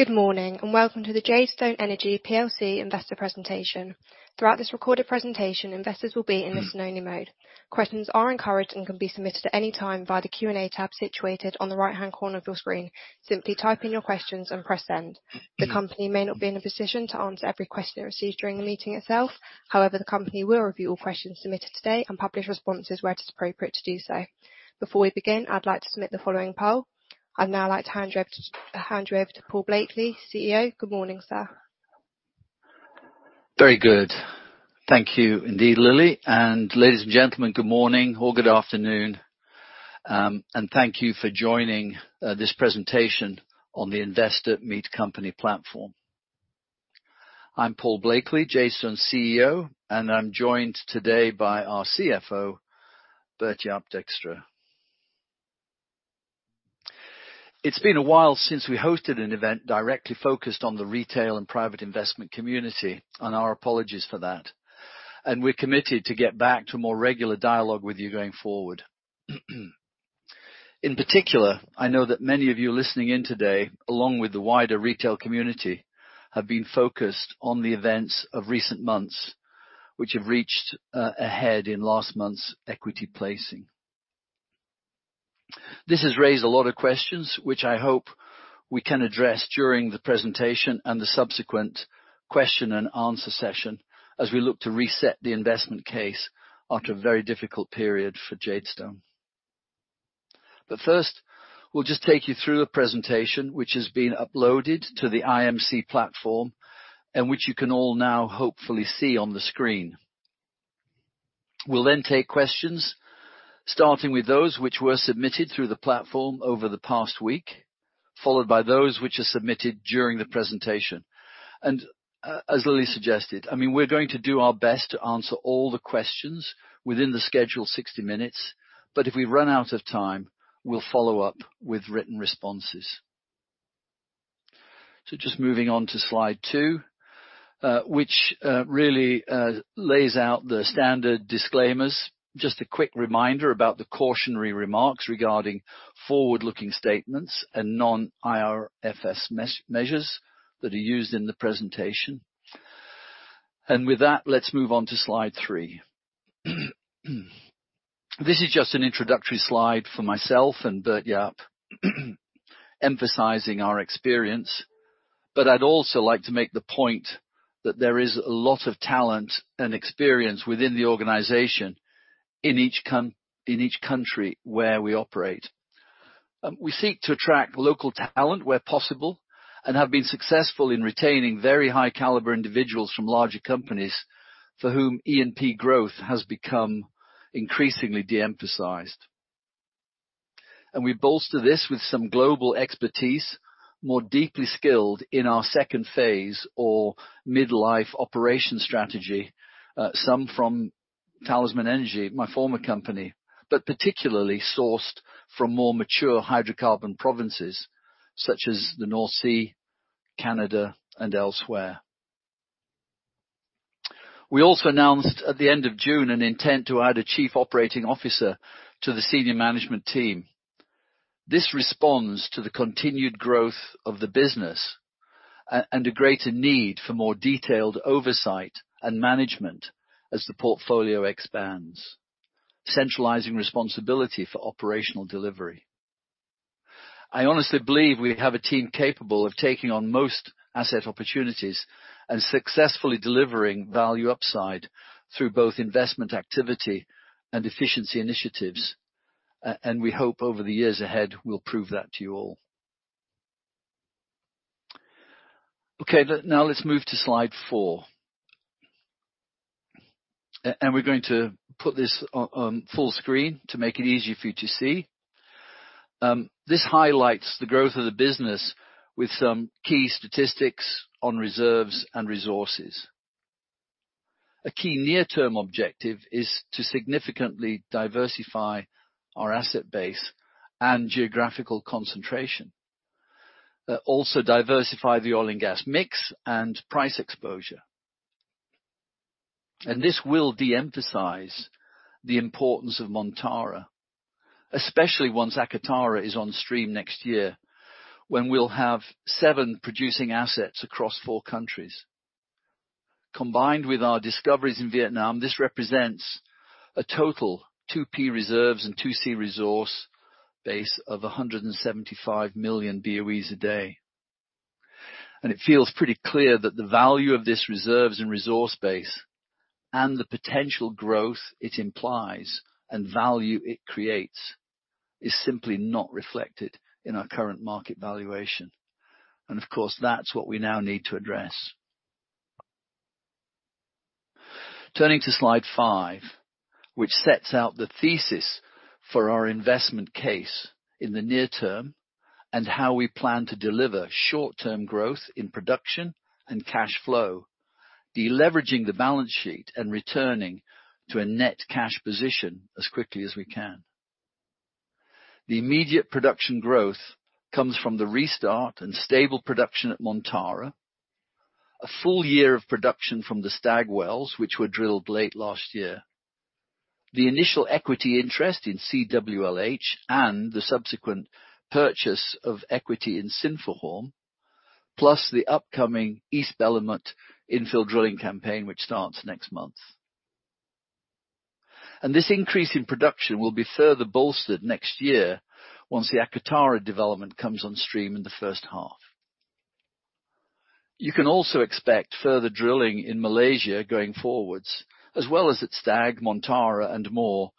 Good morning, welcome to the Jadestone Energy plc investor presentation. Throughout this recorded presentation, investors will be in listen-only mode. Questions are encouraged and can be submitted at any time via the Q&A tab situated on the right-hand corner of your screen. Simply type in your questions and press Send. The company may not be in a position to answer every question it receives during the meeting itself. The company will review all questions submitted today and publish responses where it is appropriate to do so. Before we begin, I'd like to submit the following poll. I'd now like to hand you over to Paul Blakeley, CEO. Good morning, sir. Very good. Thank you indeed, Lily, and ladies and gentlemen, good morning or good afternoon, thank you for joining this presentation on the Investor Meet Company platform. I'm Paul Blakeley, Jadestone's CEO. I'm joined today by our CFO, Bert-Jaap Dijkstra. It's been a while since we hosted an event directly focused on the retail and private investment community. Our apologies for that. We're committed to get back to a more regular dialogue with you going forward. In particular, I know that many of you listening in today, along with the wider retail community, have been focused on the events of recent months, which have reached ahead in last month's equity placing. This has raised a lot of questions which I hope we can address during the presentation and the subsequent question and answer session as we look to reset the investment case after a very difficult period for Jadestone. First, we'll just take you through a presentation which has been uploaded to the IMC platform, and which you can all now hopefully see on the screen. We'll take questions, starting with those which were submitted through the platform over the past week, followed by those which are submitted during the presentation. As Lily suggested, I mean, we're going to do our best to answer all the questions within the scheduled 60 minutes, but if we run out of time, we'll follow up with written responses. Just moving on to slide two, which really lays out the standard disclaimers. Just a quick reminder about the cautionary remarks regarding forward-looking statements and non-IFRS measures that are used in the presentation. With that, let's move on to slide three. This is just an introductory slide for myself and Bert-Jaap, emphasizing our experience, but I'd also like to make the point that there is a lot of talent and experience within the organization in each country where we operate. We seek to attract local talent where possible and have been successful in retaining very high caliber individuals from larger companies for whom E&P growth has become increasingly de-emphasized. We bolster this with some global expertise, more deeply skilled in our second phase or mid-life operation strategy, some from Talisman Energy, my former company, but particularly sourced from more mature hydrocarbon provinces, such as the North Sea, Canada, and elsewhere. We also announced at the end of June, an intent to add a Chief Operating Officer to the senior management team. This responds to the continued growth of the business, and a greater need for more detailed oversight and management as the portfolio expands, centralizing responsibility for operational delivery. I honestly believe we have a team capable of taking on most asset opportunities and successfully delivering value upside through both investment activity and efficiency initiatives, and we hope over the years ahead, we'll prove that to you all. Okay, now let's move to slide four. We're going to put this on full screen to make it easier for you to see. This highlights the growth of the business with some key statistics on reserves and resources. A key near-term objective is to significantly diversify our asset base and geographical concentration. Also diversify the oil and gas mix and price exposure. This will de-emphasize the importance of Montara, especially once Akatara is on stream next year, when we'll have seven producing assets across four countries. Combined with our discoveries in Vietnam, this represents a total 2P reserves and 2C resource base of 175 million BOEs a day. It feels pretty clear that the value of this reserves and resource base, and the potential growth it implies and value it creates, is simply not reflected in our current market valuation. Of course, that's what we now need to address. Turning to slide five, which sets out the thesis for our investment case in the near term, and how we plan to deliver short-term growth in production and cash flow, de-leveraging the balance sheet and returning to a net cash position as quickly as we can. The immediate production growth comes from the restart and stable production at Montara, a full year of production from the Stag wells, which were drilled late last year. The initial equity interest in CWLH and the subsequent purchase of equity in Sinphuhorm, plus the upcoming East Belumut infill drilling campaign, which starts next month. This increase in production will be further bolstered next year once the Akatara development comes on stream in the first half. You can also expect further drilling in Malaysia going forwards, as well as at Stag, Montara, and more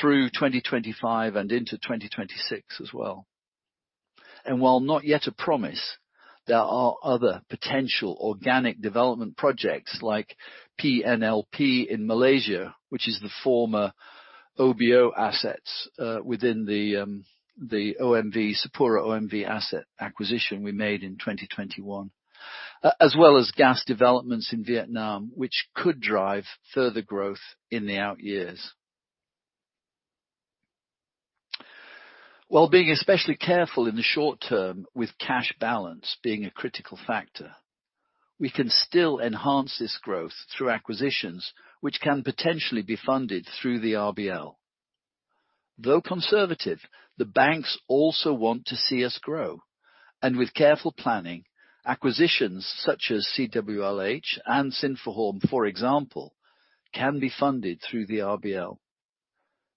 through 2025 and into 2026 as well. While not yet a promise, there are other potential organic development projects like PNLP in Malaysia, which is the former OBO assets, within the OMV, SapuraOMV asset acquisition we made in 2021. As well as gas developments in Vietnam, which could drive further growth in the out years. While being especially careful in the short term with cash balance being a critical factor, we can still enhance this growth through acquisitions, which can potentially be funded through the RBL. Though conservative, the banks also want to see us grow, and with careful planning, acquisitions such as CWLH and Sinphuhorm, for example, can be funded through the RBL.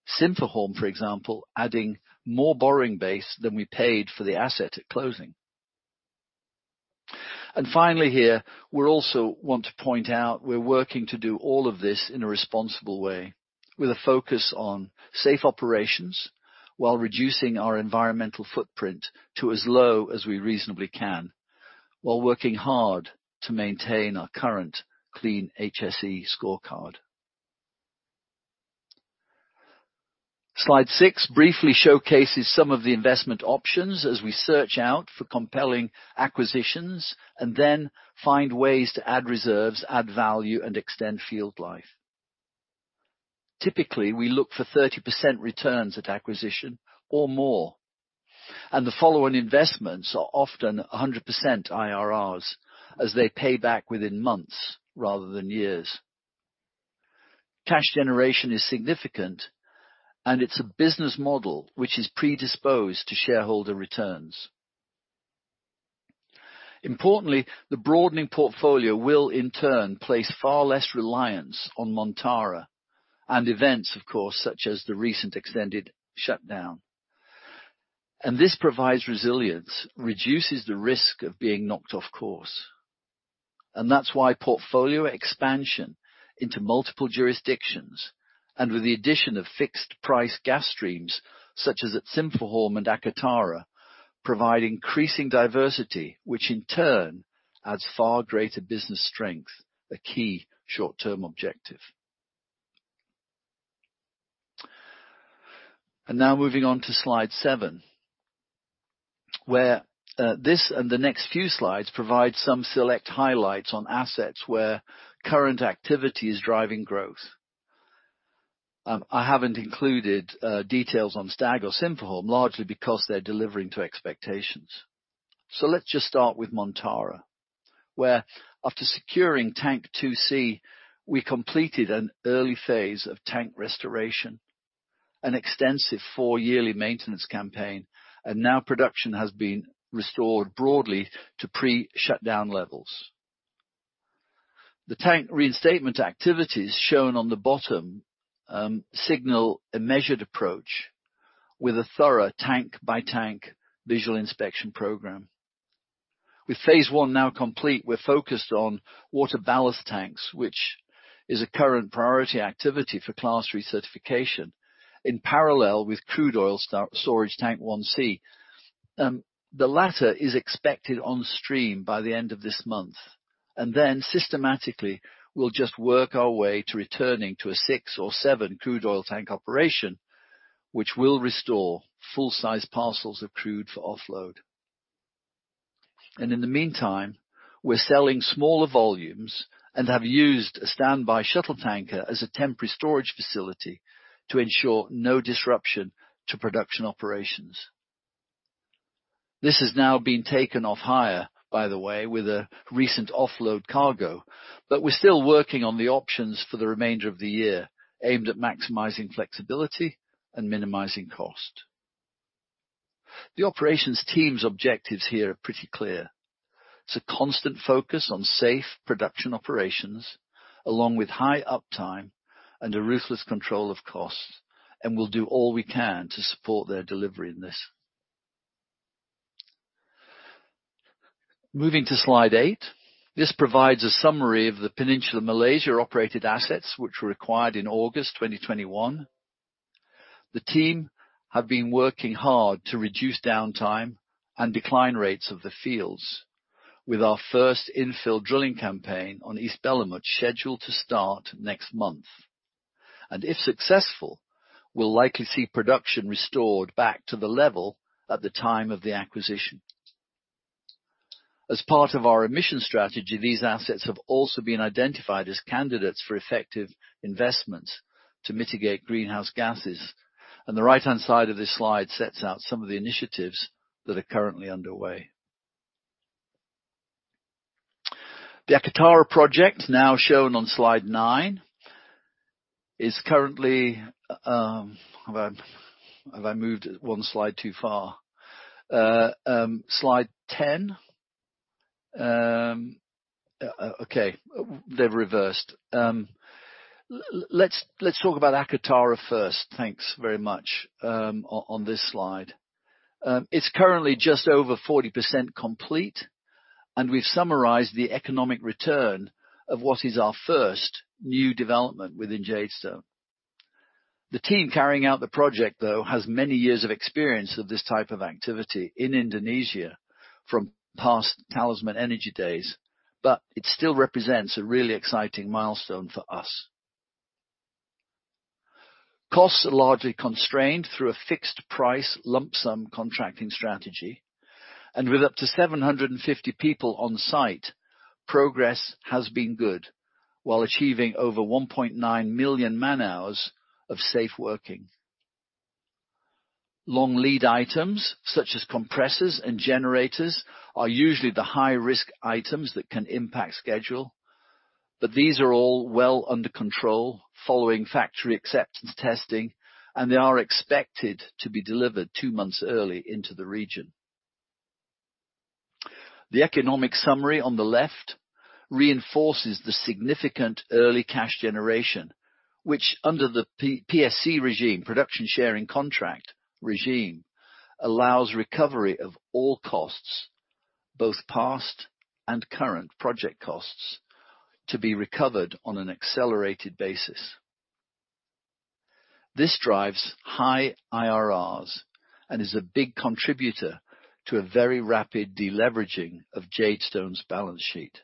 Sinphuhorm, for example, adding more borrowing base than we paid for the asset at closing. Finally here, we're also want to point out we're working to do all of this in a responsible way, with a focus on safe operations while reducing our environmental footprint to as low as we reasonably can, while working hard to maintain our current clean HSE scorecard. Slide six briefly showcases some of the investment options as we search out for compelling acquisitions and then find ways to add reserves, add value and extend field life. Typically, we look for 30% returns at acquisition or more, and the following investments are often 100% IRRs as they pay back within months rather than years. Cash generation is significant, and it's a business model which is predisposed to shareholder returns. Importantly, the broadening portfolio will in turn place far less reliance on Montara and events, of course, such as the recent extended shutdown. This provides resilience, reduces the risk of being knocked off course. That's why portfolio expansion into multiple jurisdictions, and with the addition of fixed price gas streams, such as at Sinphuhorm and Akatara, provide increasing diversity, which in turn adds far greater business strength, a key short-term objective. Now moving on to slide seven, where this and the next few slides provide some select highlights on assets where current activity is driving growth. I haven't included details on Stag or Sinphuhorm, largely because they're delivering to expectations. Let's just start with Montara, where after securing Tank 2C, we completed an early phase of tank restoration, an extensive four-yearly maintenance campaign, and now production has been restored broadly to pre-shutdown levels. The tank reinstatement activities shown on the bottom signal a measured approach with a thorough tank-by-tank visual inspection program. With phase 1 now complete, we're focused on water ballast tanks, which is a current priority activity for class recertification, in parallel with crude oil storage Tank 1C. The latter is expected on stream by the end of this month. Systematically, we'll just work our way to returning to a six or seven crude oil tank operation, which will restore full-size parcels of crude for offload. In the meantime, we're selling smaller volumes and have used a standby shuttle tanker as a temporary storage facility to ensure no disruption to production operations. This has now been taken off hire, by the way, with a recent offload cargo. We're still working on the options for the remainder of the year, aimed at maximizing flexibility and minimizing cost. The operations team's objectives here are pretty clear. It's a constant focus on safe production operations, along with high uptime and a ruthless control of costs. We'll do all we can to support their delivery in this. Moving to slide eight, this provides a summary of the Peninsular Malaysia-operated assets which were acquired in August 2021. The team have been working hard to reduce downtime and decline rates of the fields with our first infill drilling campaign on East Belumut, scheduled to start next month. If successful, we'll likely see production restored back to the level at the time of the acquisition. As part of our emission strategy, these assets have also been identified as candidates for effective investments to mitigate greenhouse gases. The right-hand side of this slide sets out some of the initiatives that are currently underway. The Akatara project, now shown on slide nine, is currently, have I moved one slide too far? Slide 10. Okay, they're reversed. Let's talk about Akatara first. Thanks very much, on this slide. It's currently just over 40% complete, and we've summarized the economic return of what is our first new development within Jadestone. The team carrying out the project, though, has many years of experience of this type of activity in Indonesia from past Talisman Energy days, but it still represents a really exciting milestone for us. Costs are largely constrained through a fixed price, lump sum contracting strategy, and with up to 750 people on site, progress has been good, while achieving over 1.9 million man-hours of safe working. Long lead items, such as compressors and generators, are usually the high-risk items that can impact schedule, but these are all well under control following factory acceptance testing, and they are expected to be delivered two months early into the region. The economic summary on the left reinforces the significant early cash generation, which under the PSC regime, Production Sharing Contract regime, allows recovery of all costs, both past and current project costs, to be recovered on an accelerated basis. This drives high IRRs and is a big contributor to a very rapid deleveraging of Jadestone's balance sheet.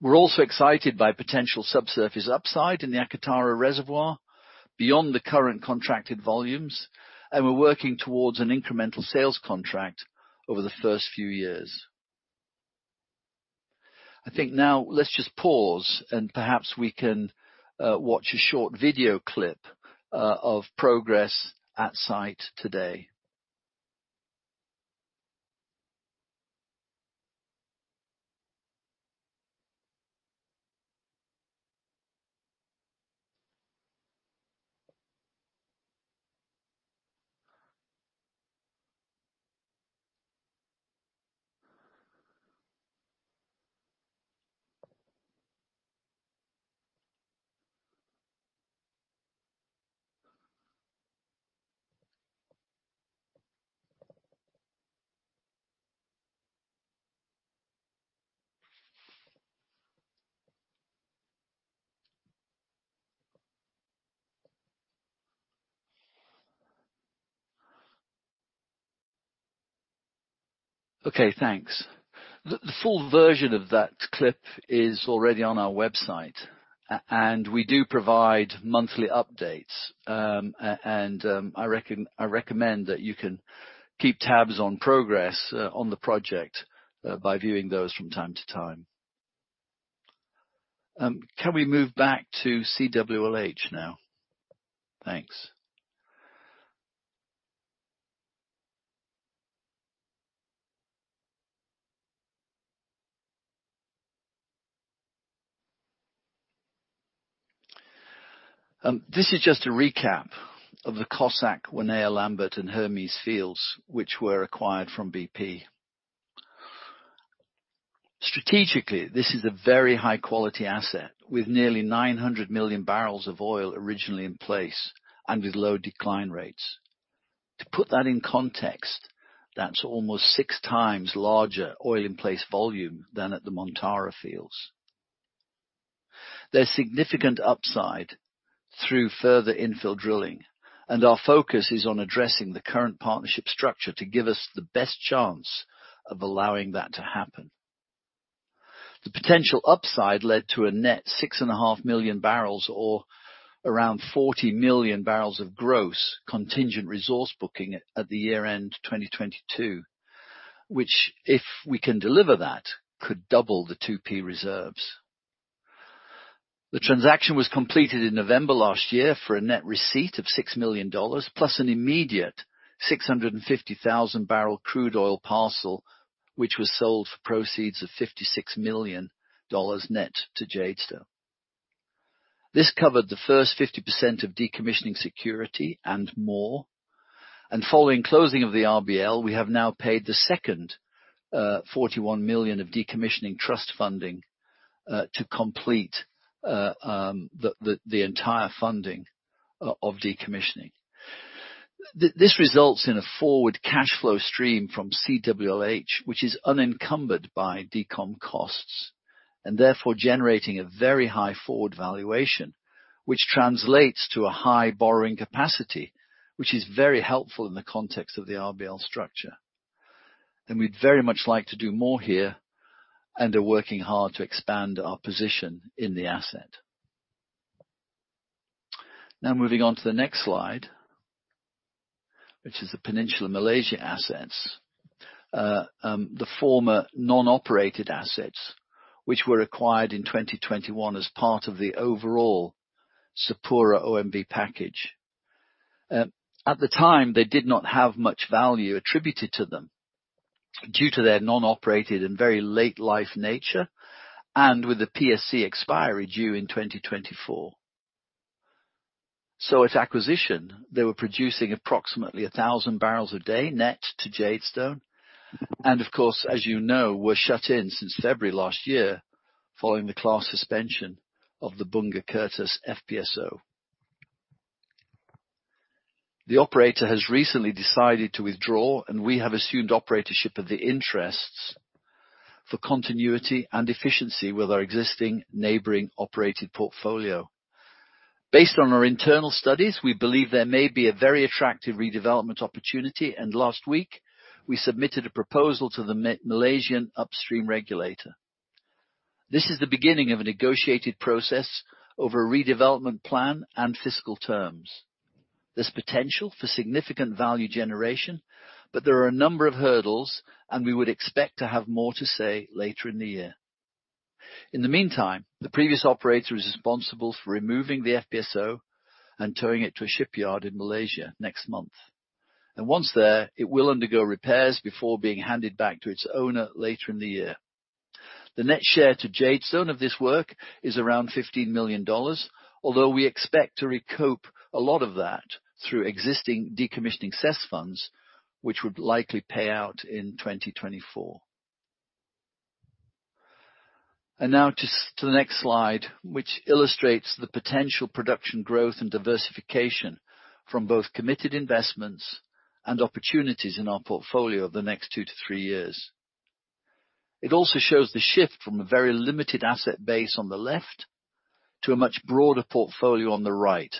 We're also excited by potential subsurface upside in the Akatara reservoir beyond the current contracted volumes, and we're working towards an incremental sales contract over the first few years. I think now let's just pause, and perhaps we can watch a short video clip of progress at site today. Okay, thanks. The full version of that clip is already on our website, and we do provide monthly updates. I recommend that you can keep tabs on progress on the project by viewing those from time to time. Can we move back to CWLH now? Thanks. This is just a recap of the Cossack, Wanaea, Lambert, and Hermes fields, which were acquired from BP. Strategically, this is a very high-quality asset, with nearly 900 million bbl of oil originally in place and with low decline rates. To put that in context, that's almost 6x larger oil in place volume than at the Montara fields. There's significant upside through further infill drilling, and our focus is on addressing the current partnership structure to give us the best chance of allowing that to happen. The potential upside led to a net 6.5 million bbl or around 40 million bbl of gross contingent resource booking at the year-end 2022, which, if we can deliver that, could double the 2P reserves. The transaction was completed in November last year for a net receipt of $6 million, plus an immediate 650,000 bbl crude oil parcel, which was sold for proceeds of $56 million net to Jadestone. This covered the first 50% of decommissioning security and more. Following closing of the RBL, we have now paid the second 41 million of decommissioning trust funding to complete the entire funding of decommissioning. This results in a forward cash flow stream from CWLH, which is unencumbered by decom costs, and therefore generating a very high forward valuation, which translates to a high borrowing capacity, which is very helpful in the context of the RBL structure. We'd very much like to do more here and are working hard to expand our position in the asset. Now moving on to the next slide, which is the Peninsular Malaysia assets. The former non-operated assets, which were acquired in 2021 as part of the overall SapuraOMV package. At the time, they did not have much value attributed to them due to their non-operated and very late life nature, and with the PSC expiry due in 2024. At acquisition, they were producing approximately 1,000 bbl a day net to Jadestone, and of course, as you know, were shut in since February last year following the class suspension of the Bunga Kertas FPSO. The operator has recently decided to withdraw, and we have assumed operatorship of the interests for continuity and efficiency with our existing neighboring operated portfolio. Based on our internal studies, we believe there may be a very attractive redevelopment opportunity, and last week, we submitted a proposal to the Malaysian upstream regulator. This is the beginning of a negotiated process over a redevelopment plan and fiscal terms. There's potential for significant value generation, but there are a number of hurdles, and we would expect to have more to say later in the year. In the meantime, the previous operator is responsible for removing the FPSO and towing it to a shipyard in Malaysia next month. Once there, it will undergo repairs before being handed back to its owner later in the year. The net share to Jadestone of this work is around $15 million, although we expect to recoup a lot of that through existing decommissioning cess funds, which would likely pay out in 2024. Now to the next slide, which illustrates the potential production growth and diversification from both committed investments and opportunities in our portfolio over the next two to three years. It also shows the shift from a very limited asset base on the left to a much broader portfolio on the right.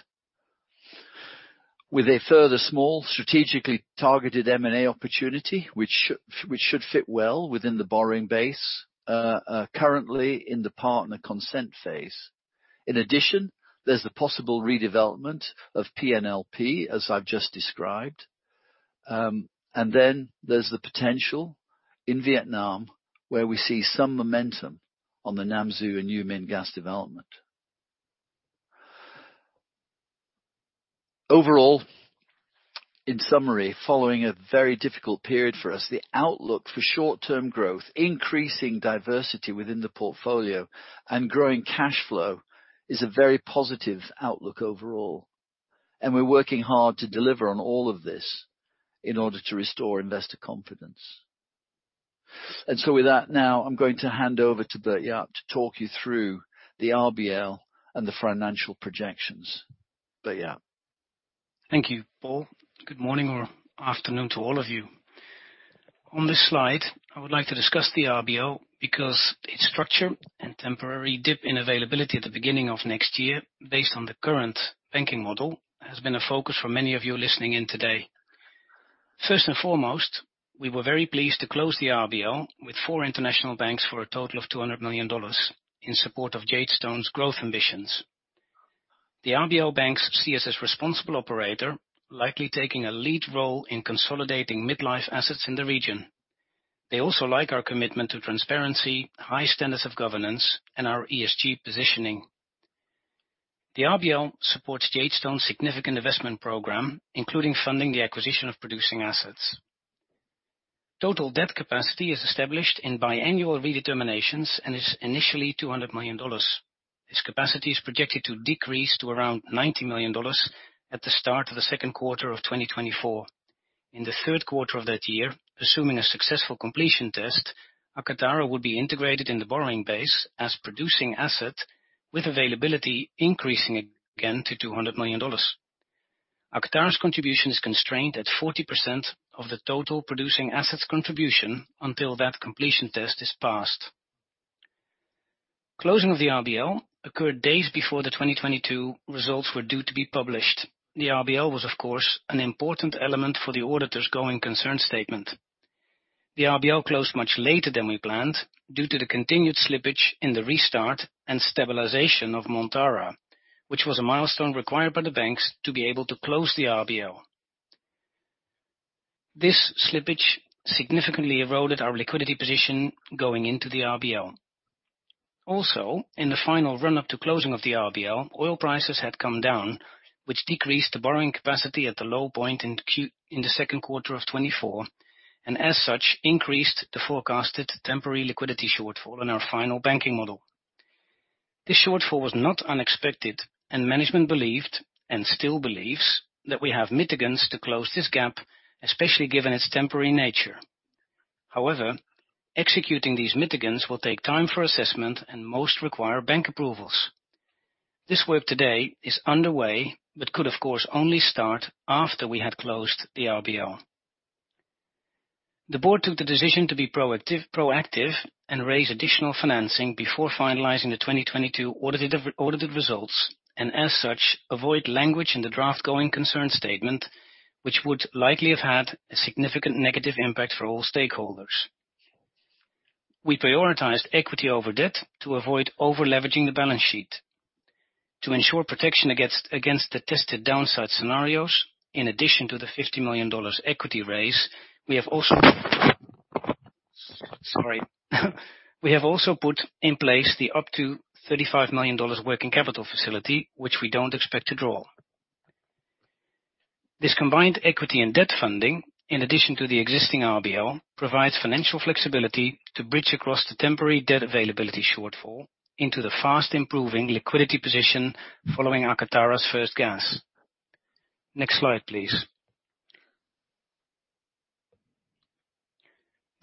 With a further small, strategically targeted M&A opportunity, which should fit well within the borrowing base, currently in the partner consent phase. In addition, there's the possible redevelopment of PNLP, as I've just described. There's the potential in Vietnam, where we see some momentum on the Nam Du and U Minh gas development. Overall, in summary, following a very difficult period for us, the outlook for short-term growth, increasing diversity within the portfolio, and growing cash flow is a very positive outlook overall, we're working hard to deliver on all of this in order to restore investor confidence. With that, now I'm going to hand over to Bert-Jaap to talk you through the RBL and the financial projections. Bert-Jaap. Thank you, Paul. Good morning or afternoon to all of you. On this slide, I would like to discuss the RBL because its structure and temporary dip in availability at the beginning of next year, based on the current banking model, has been a focus for many of you listening in today. First and foremost, we were very pleased to close the RBL with four international banks for a total of $200 million in support of Jadestone's growth ambitions. The RBL banks see us as responsible operator, likely taking a lead role in consolidating mid-life assets in the region. They also like our commitment to transparency, high standards of governance, and our ESG positioning. The RBL supports Jadestone's significant investment program, including funding the acquisition of producing assets. Total debt capacity is established in biannual redeterminations and is initially $200 million. This capacity is projected to decrease to around $90 million at the start of the second quarter of 2024. In the third quarter of that year, assuming a successful completion test, Akatara would be integrated in the borrowing base as producing asset, with availability increasing again to $200 million. Akatara's contribution is constrained at 40% of the total producing assets contribution until that completion test is passed. Closing of the RBL occurred days before the 2022 results were due to be published. The RBL was, of course, an important element for the auditor's going concern statement. The RBL closed much later than we planned, due to the continued slippage in the restart and stabilization of Montara, which was a milestone required by the banks to be able to close the RBL. This slippage significantly eroded our liquidity position going into the RBL. Also, in the final run-up to closing of the RBL, oil prices had come down, which decreased the borrowing capacity at the low point in the second quarter of 2024, and as such, increased the forecasted temporary liquidity shortfall in our final banking model. This shortfall was not unexpected, and management believed, and still believes, that we have mitigants to close this gap, especially given its temporary nature. However, executing these mitigants will take time for assessment, and most require bank approvals. This work today is underway, but could, of course, only start after we had closed the RBL. The board took the decision to be proactive and raise additional financing before finalizing the 2022 audited results, and as such, avoid language in the draft going concern statement, which would likely have had a significant negative impact for all stakeholders. We prioritized equity over debt to avoid over-leveraging the balance sheet. To ensure protection against the tested downside scenarios, in addition to the $50 million equity raise, we have also put in place the up to $35 million working capital facility, which we don't expect to draw. This combined equity and debt funding, in addition to the existing RBL, provides financial flexibility to bridge across the temporary debt availability shortfall into the fast improving liquidity position following Akatara's first gas. Next slide, please.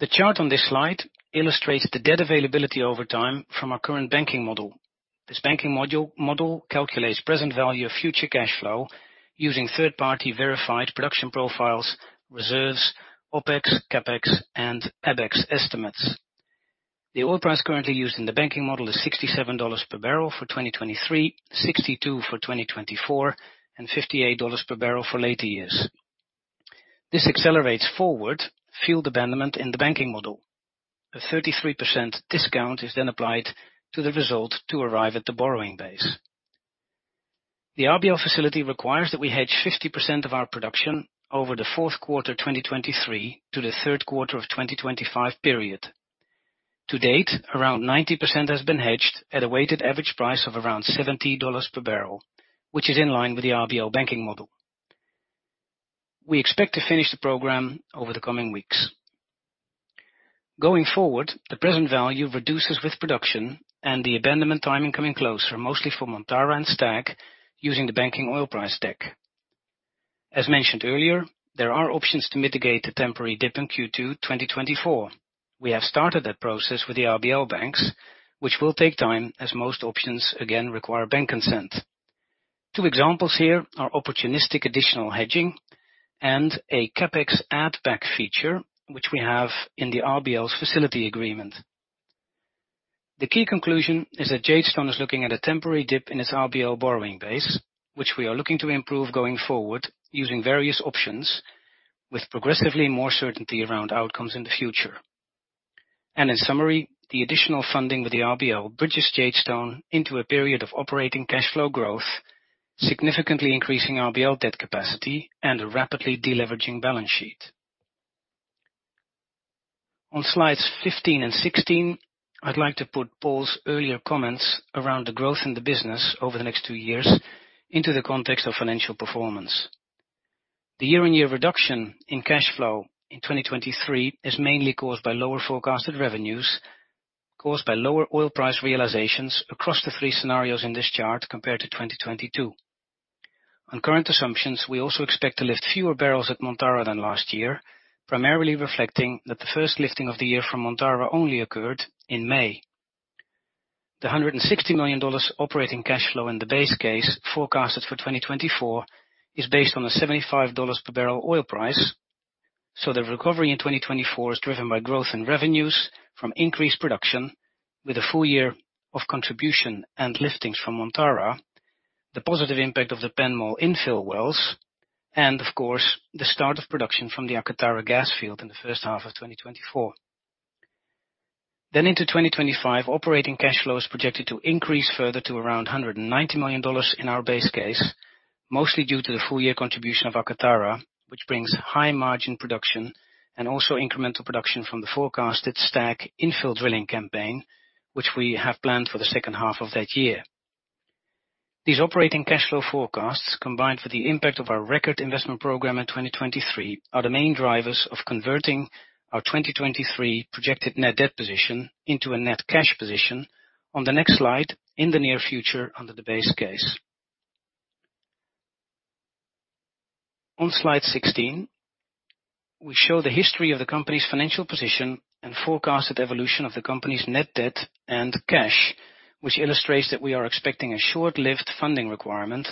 The chart on this slide illustrates the debt availability over time from our current banking model. This banking model calculates present value of future cash flow using third-party verified production profiles, reserves, OpEx, CapEx, and AbEx estimates. The oil price currently used in the banking model is $67 per barrel for 2023, $62 for 2024, and $58 per barrel for later years. This accelerates forward field abandonment in the banking model. A 33% discount is then applied to the result to arrive at the borrowing base. The RBL facility requires that we hedge 50% of our production over the fourth quarter, 2023 to the third quarter of 2025 period. To date, around 90% has been hedged at a weighted average price of around $70 per barrel, which is in line with the RBL banking model. We expect to finish the program over the coming weeks. Going forward, the present value reduces with production and the abandonment timing coming closer, mostly for Montara and Stag, using the banking oil price deck. As mentioned earlier, there are options to mitigate the temporary dip in Q2 2024. We have started that process with the RBL banks, which will take time, as most options, again, require bank consent. Two examples here are opportunistic additional hedging and a CapEx add back feature, which we have in the RBL's facility agreement. The key conclusion is that Jadestone is looking at a temporary dip in its RBL borrowing base, which we are looking to improve going forward, using various options, with progressively more certainty around outcomes in the future. In summary, the additional funding with the RBL bridges Jadestone into a period of operating cash flow growth, significantly increasing RBL debt capacity and a rapidly deleveraging balance sheet. On slides 15 and 16, I'd like to put Paul's earlier comments around the growth in the business over the next two years into the context of financial performance. The year-on-year reduction in cash flow in 2023 is mainly caused by lower forecasted revenues, caused by lower oil price realizations across the three scenarios in this chart compared to 2022. On current assumptions, we also expect to lift fewer barrels at Montara than last year, primarily reflecting that the first lifting of the year from Montara only occurred in May. The $160 million operating cash flow in the base case forecasted for 2024, is based on the $75 per barrel oil price. The recovery in 2024 is driven by growth in revenues from increased production with a full year of contribution and liftings from Montara, the positive impact of the [Penmor] infill wells, and of course, the start of production from the Akatara gas field in the first half of 2024. Into 2025, operating cash flow is projected to increase further to around $190 million in our base case, mostly due to the full year contribution of Akatara, which brings high margin production and also incremental production from the forecasted Stag infill drilling campaign, which we have planned for the second half of that year. These operating cash flow forecasts, combined with the impact of our record investment program in 2023, are the main drivers of converting our 2023 projected net debt position into a net cash position on the next slide in the near future, under the base case. On slide 16, we show the history of the company's financial position and forecasted evolution of the company's net debt and cash, which illustrates that we are expecting a short-lived funding requirement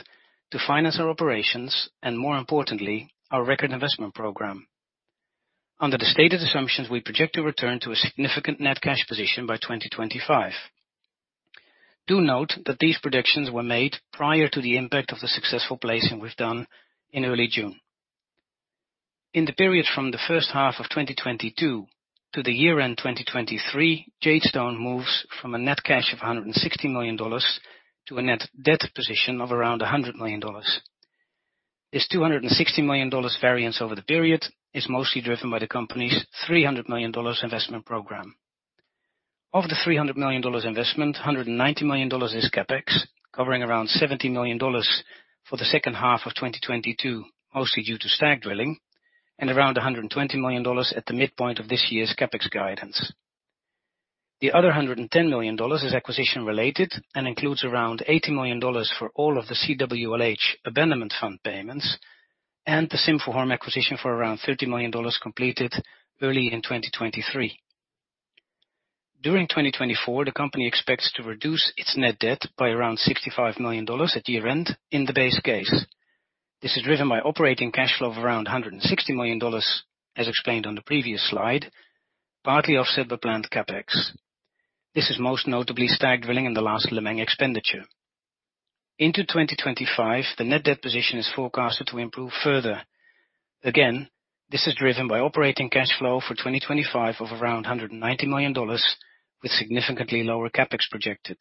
to finance our operations, and more importantly, our record investment program. Under the stated assumptions, we project to return to a significant net cash position by 2025. Do note that these predictions were made prior to the impact of the successful placing we've done in early June. In the period from the first half of 2022 to the year-end 2023, Jadestone moves from a net cash of $160 million to a net debt position of around $100 million. This $260 million variance over the period is mostly driven by the company's $300 million investment program. Of the $300 million investment, $190 million is CapEx, covering around $70 million for the second half of 2022, mostly due to Stag drilling, and around $120 million at the midpoint of this year's CapEx guidance. The other $110 million is acquisition-related and includes around $80 million for all of the CWLH abandonment fund payments, and the Sinphuhorm acquisition for around $30 million, completed early in 2023. During 2024, the company expects to reduce its net debt by around $65 million at year-end in the base case. This is driven by operating cash flow of around $160 million, as explained on the previous slide, partly offset by planned CapEx. This is most notably Stag drilling and the last Lemang expenditure. Into 2025, the net debt position is forecasted to improve further. This is driven by operating cash flow for 2025 of around $190 million, with significantly lower CapEx projected.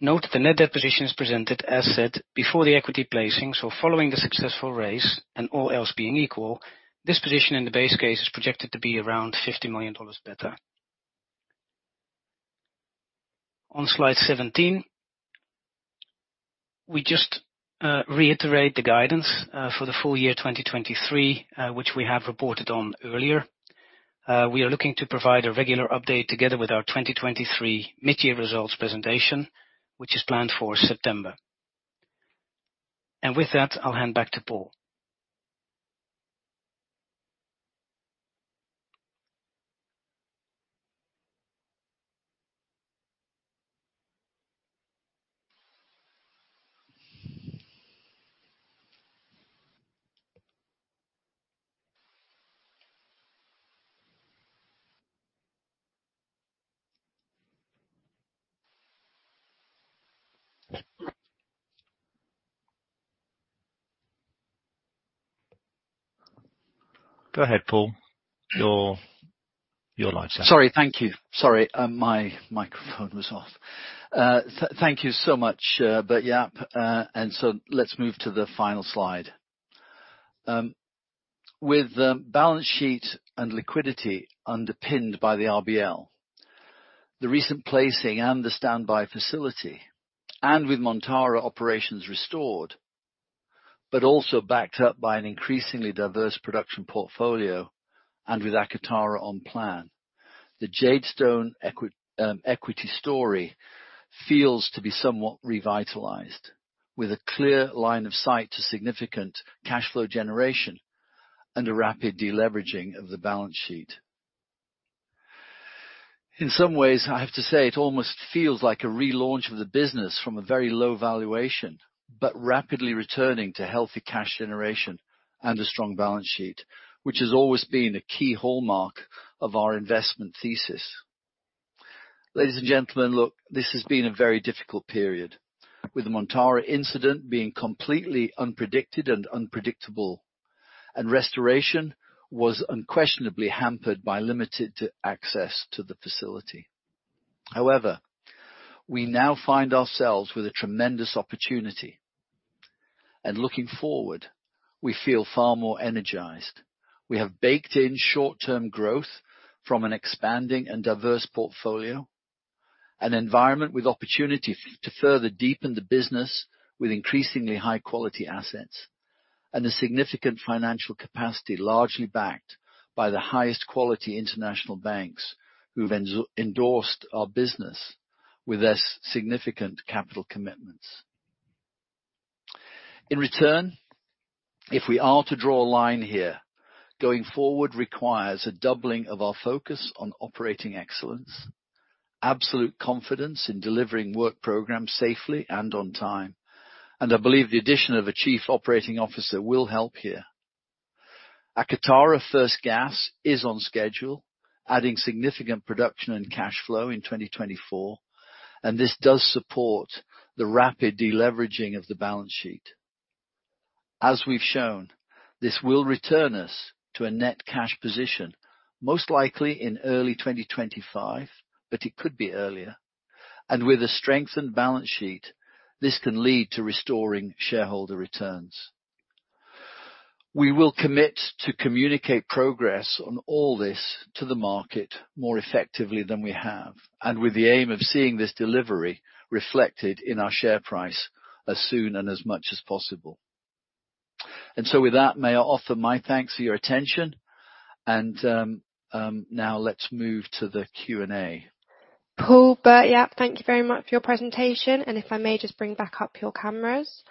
Note, the net debt position is presented as said before the equity placing, so following the successful raise and all else being equal, this position in the base case is projected to be around $50 million better. On slide 17, we just reiterate the guidance for the full year 2023, which we have reported on earlier. We are looking to provide a regular update together with our 2023 mid-year results presentation, which is planned for September. With that, I'll hand back to Paul. Go ahead, Paul. Your lights are- Sorry. Thank you. Sorry, my microphone was off. Thank you so much. Yeah, let's move to the final slide. With the balance sheet and liquidity underpinned by the RBL, the recent placing and the standby facility, and with Montara operations restored, also backed up by an increasingly diverse production portfolio and with Akatara on plan, the Jadestone equity story feels to be somewhat revitalized, with a clear line of sight to significant cash flow generation and a rapid deleveraging of the balance sheet. In some ways, I have to say, it almost feels like a relaunch of the business from a very low valuation, rapidly returning to healthy cash generation and a strong balance sheet, which has always been a key hallmark of our investment thesis. Ladies and gentlemen, look, this has been a very difficult period, with the Montara incident being completely unpredicted and unpredictable, and restoration was unquestionably hampered by limited to access to the facility. However, we now find ourselves with a tremendous opportunity, and looking forward, we feel far more energized. We have baked in short-term growth from an expanding and diverse portfolio, an environment with opportunity to further deepen the business with increasingly high-quality assets, and a significant financial capacity, largely backed by the highest quality international banks who've endorsed our business with their significant capital commitments. In return, if we are to draw a line here, going forward requires a doubling of our focus on operating excellence, absolute confidence in delivering work programs safely and on time. I believe the addition of a chief operating officer will help here. Akatara first gas is on schedule, adding significant production and cash flow in 2024. This does support the rapid deleveraging of the balance sheet. As we've shown, this will return us to a net cash position, most likely in early 2025. It could be earlier. With a strengthened balance sheet, this can lead to restoring shareholder returns. We will commit to communicate progress on all this to the market more effectively than we have. With the aim of seeing this delivery reflected in our share price as soon and as much as possible. With that, may I offer my thanks for your attention. Now let's move to the Q&A. Paul, Bert-Jaap, thank you very much for your presentation. If I may just bring back up your cameras.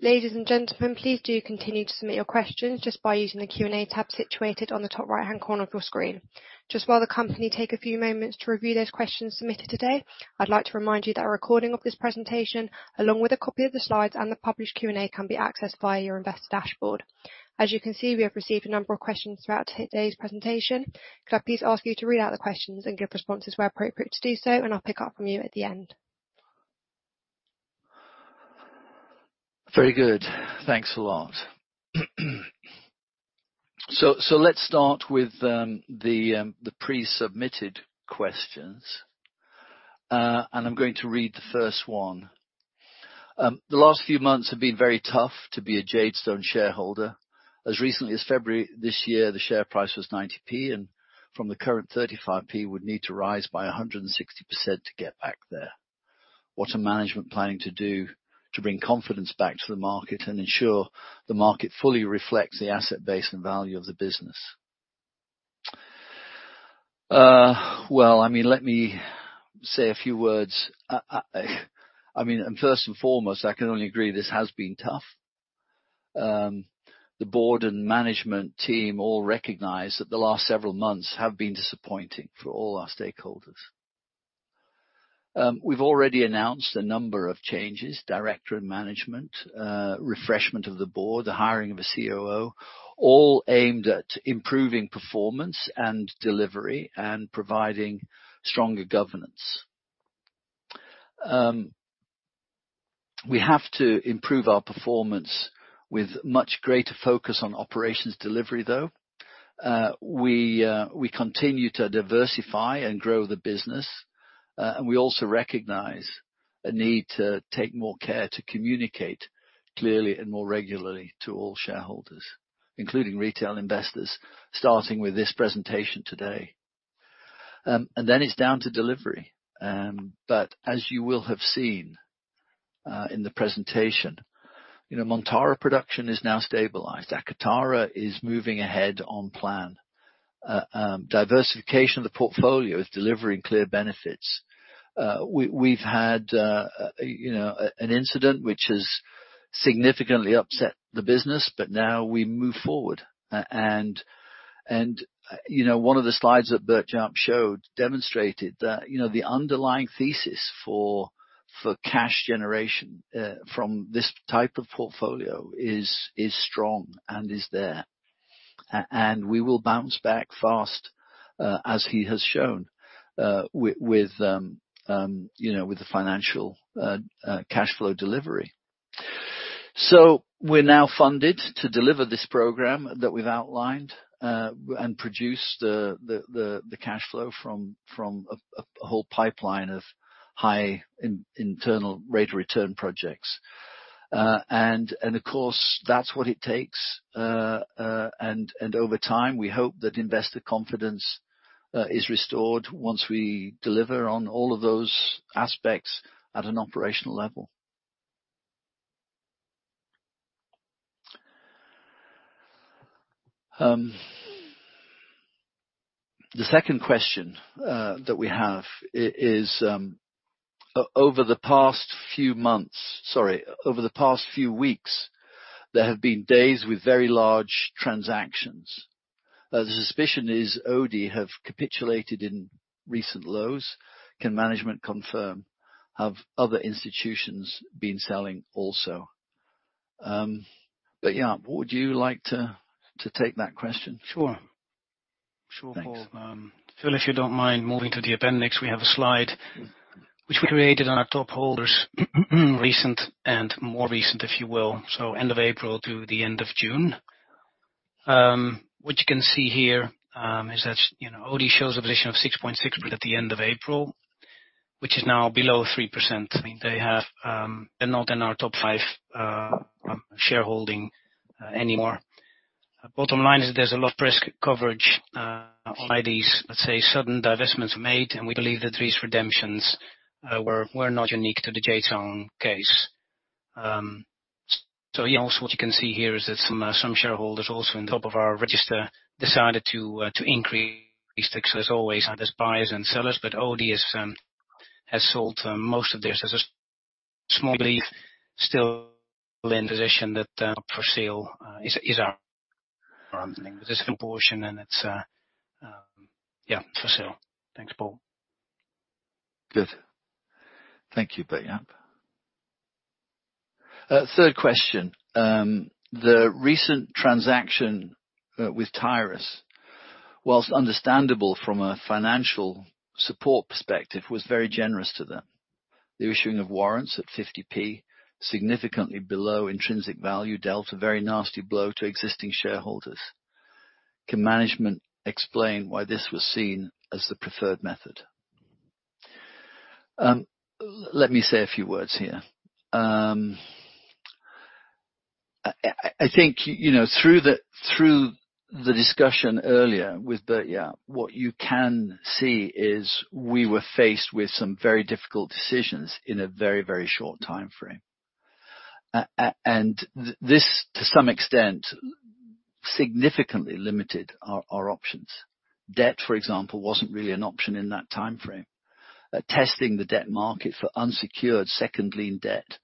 Ladies and gentlemen, please do continue to submit your questions just by using the Q&A tab situated on the top right-hand corner of your screen. Just while the company take a few moments to review those questions submitted today, I'd like to remind you that a recording of this presentation, along with a copy of the slides and the published Q&A, can be accessed via your investor dashboard. As you can see, we have received a number of questions throughout today's presentation. Could I please ask you to read out the questions and give responses where appropriate to do so, and I'll pick up from you at the end. Very good. Thanks a lot. Let's start with the pre-submitted questions. I'm going to read the first one. The last few months have been very tough to be a Jadestone shareholder. As recently as February this year, the share price was 90p, and from the current 35p, would need to rise by 160% to get back there. What are management planning to do to bring confidence back to the market and ensure the market fully reflects the asset base and value of the business? Well, I mean, let me say a few words. I mean, first and foremost, I can only agree, this has been tough. The board and management team all recognize that the last several months have been disappointing for all our stakeholders. We've already announced a number of changes: director and management, refreshment of the board, the hiring of a COO, all aimed at improving performance and delivery and providing stronger governance. We have to improve our performance with much greater focus on operations delivery, though. We continue to diversify and grow the business. We also recognize a need to take more care to communicate clearly and more regularly to all shareholders, including retail investors, starting with this presentation today. Then it's down to delivery. As you will have seen, you know, Montara production is now stabilized. Akatara is moving ahead on plan. Diversification of the portfolio is delivering clear benefits. We've had, you know, an incident which has significantly upset the business, but now we move forward. You know, one of the slides that Bert-Jaap showed demonstrated that, you know, the underlying thesis for cash generation from this type of portfolio is strong and is there. We will bounce back fast, as he has shown, with, you know, with the financial cashflow delivery. We're now funded to deliver this program that we've outlined and produce the cashflow from a whole pipeline of high internal rate of return projects. Of course, that's what it takes. Over time, we hope that investor confidence is restored once we deliver on all of those aspects at an operational level. The second question that we have is over the past few weeks, there have been days with very large transactions. The suspicion is Odey have capitulated in recent lows. Can management confirm, have other institutions been selling also? Jaap, would you like to take that question? Sure. Sure, Paul. Thanks. Phil, if you don't mind moving to the appendix, we have a slide which we created on our top holders, recent and more recent, if you will, so end of April to the end of June. What you can see here is that Odey shows a position of 6.6% at the end of April, which is now below 3%. They're not in our top five shareholding anymore. Bottom line is that there's a lot of press coverage on Odey's, let's say, sudden divestments made, and we believe that these redemptions were not unique to the Jadestone case. What you can see here is that some shareholders also in top of our register, decided to increase their stakes. As always, there's buyers and sellers. Odey has sold most of this. There's a small belief, still in position that for sale is this portion. Yeah, for sale. Thanks, Paul. Good. Thank you, Bert-Jaap. Third question: The recent transaction with Tyrus, whilst understandable from a financial support perspective, was very generous to them. The issuing of warrants at 50p, significantly below intrinsic value, dealt a very nasty blow to existing shareholders. Can management explain why this was seen as the preferred method? Let me say a few words here. I think, you know, through the discussion earlier with Bert-Jaap, what you can see is we were faced with some very difficult decisions in a very, very short timeframe. This, to some extent, significantly limited our options. Debt, for example, wasn't really an option in that timeframe. Testing the debt market for unsecured second lien debt,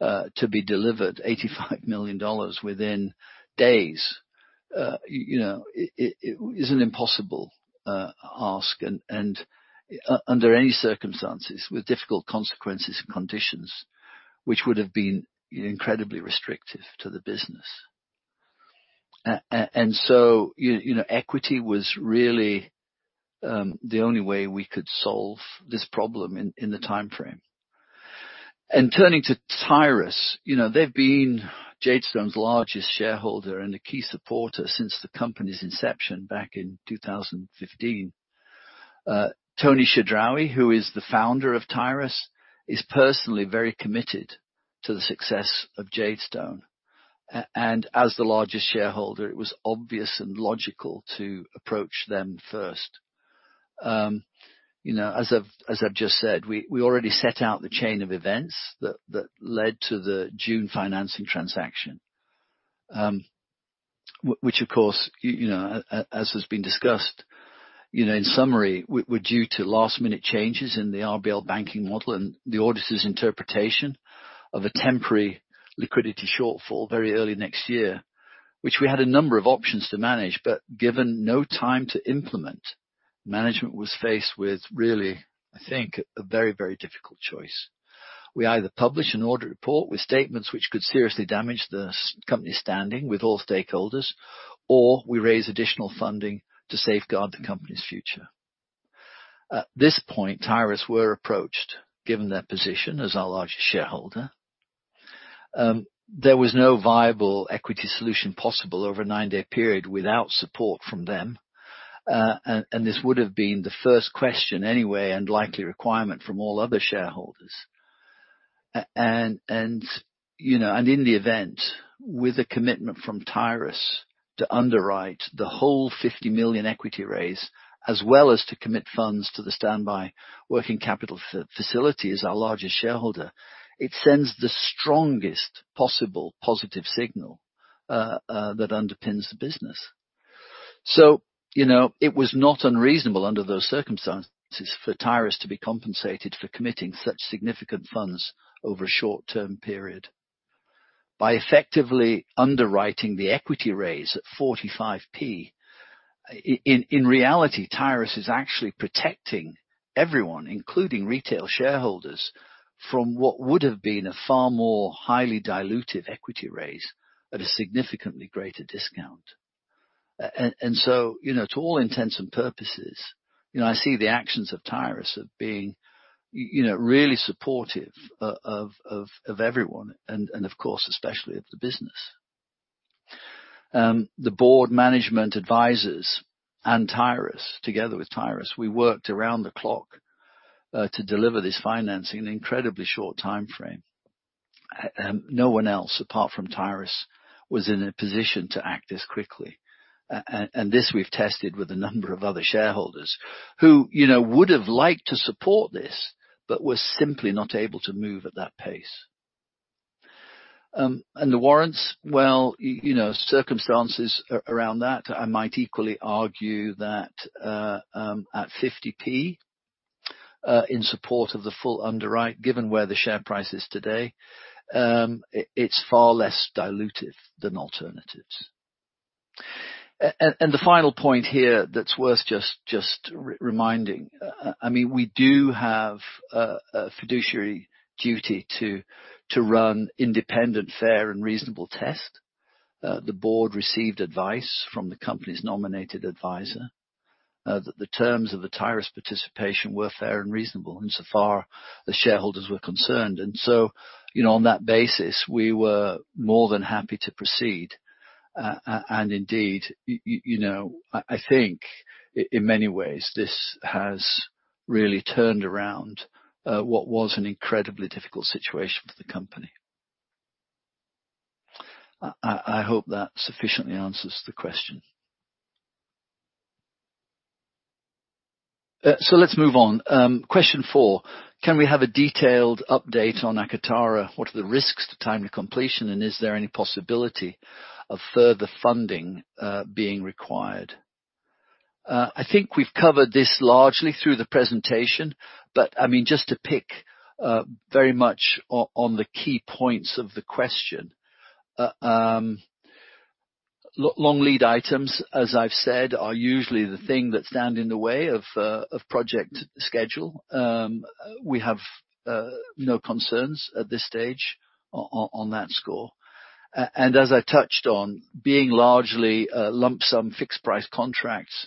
to be delivered $85 million within days, you know, is an impossible ask, and under any circumstances, with difficult consequences and conditions, which would have been incredibly restrictive to the business. So, you know, equity was really the only way we could solve this problem in the timeframe. Turning to Tyrus, you know, they've been Jadestone's largest shareholder and a key supporter since the company's inception back in 2015. Tony Chedraoui, who is the Founder of Tyrus, is personally very committed to the success of Jadestone. As the largest shareholder, it was obvious and logical to approach them first. You know, as I've just said, we already set out the chain of events that led to the June financing transaction, which of course, you know, as has been discussed, you know, in summary, were due to last-minute changes in the RBL banking model and the auditor's interpretation of a temporary liquidity shortfall very early next year, which we had a number of options to manage, but given no time to implement, management was faced with really, I think, a very, very difficult choice. We either publish an audit report with statements which could seriously damage the company's standing with all stakeholders, or we raise additional funding to safeguard the company's future. At this point, Tyrus were approached, given their position as our largest shareholder. There was no viable equity solution possible over a nine-day period without support from them. This would have been the first question anyway, and likely requirement from all other shareholders. You know, in the event, with a commitment from Tyrus to underwrite the whole 50 million equity raise, as well as to commit funds to the standby working capital facility, as our largest shareholder, it sends the strongest possible positive signal that underpins the business. You know, it was not unreasonable under those circumstances, for Tyrus to be compensated for committing such significant funds over a short-term period. By effectively underwriting the equity raise at 45p, in reality, Tyrus is actually protecting everyone, including retail shareholders, from what would have been a far more highly dilutive equity raise at a significantly greater discount. You know, to all intents and purposes, you know, I see the actions of Tyrus of being, you know, really supportive of everyone, and of course, especially of the business. The board management advisors and Tyrus, together with Tyrus, we worked around the clock to deliver this financing in an incredibly short timeframe. No one else, apart from Tyrus, was in a position to act this quickly. This we've tested with a number of other shareholders, who, you know, would have liked to support this, but were simply not able to move at that pace. The warrants, well, you know, circumstances around that, I might equally argue that at 50p, in support of the full underwrite, given where the share price is today, it's far less dilutive than alternatives. The final point here that's worth reminding, I mean, we do have a fiduciary duty to run independent, fair, and reasonable test. The board received advice from the company's nominated advisor that the terms of the Tyrus participation were fair and reasonable, insofar as shareholders were concerned. You know, on that basis, we were more than happy to proceed. Indeed, you know, I think in many ways, this has really turned around what was an incredibly difficult situation for the company. I hope that sufficiently answers the question. Let's move on. Question four: Can we have a detailed update on Akatara? What are the risks to time to completion, and is there any possibility of further funding being required? I think we've covered this largely through the presentation, but, I mean, just to pick very much on the key points of the question. Long lead items, as I've said, are usually the thing that stand in the way of project schedule. We have no concerns at this stage on that score. As I touched on, being largely lump sum, fixed price contracts,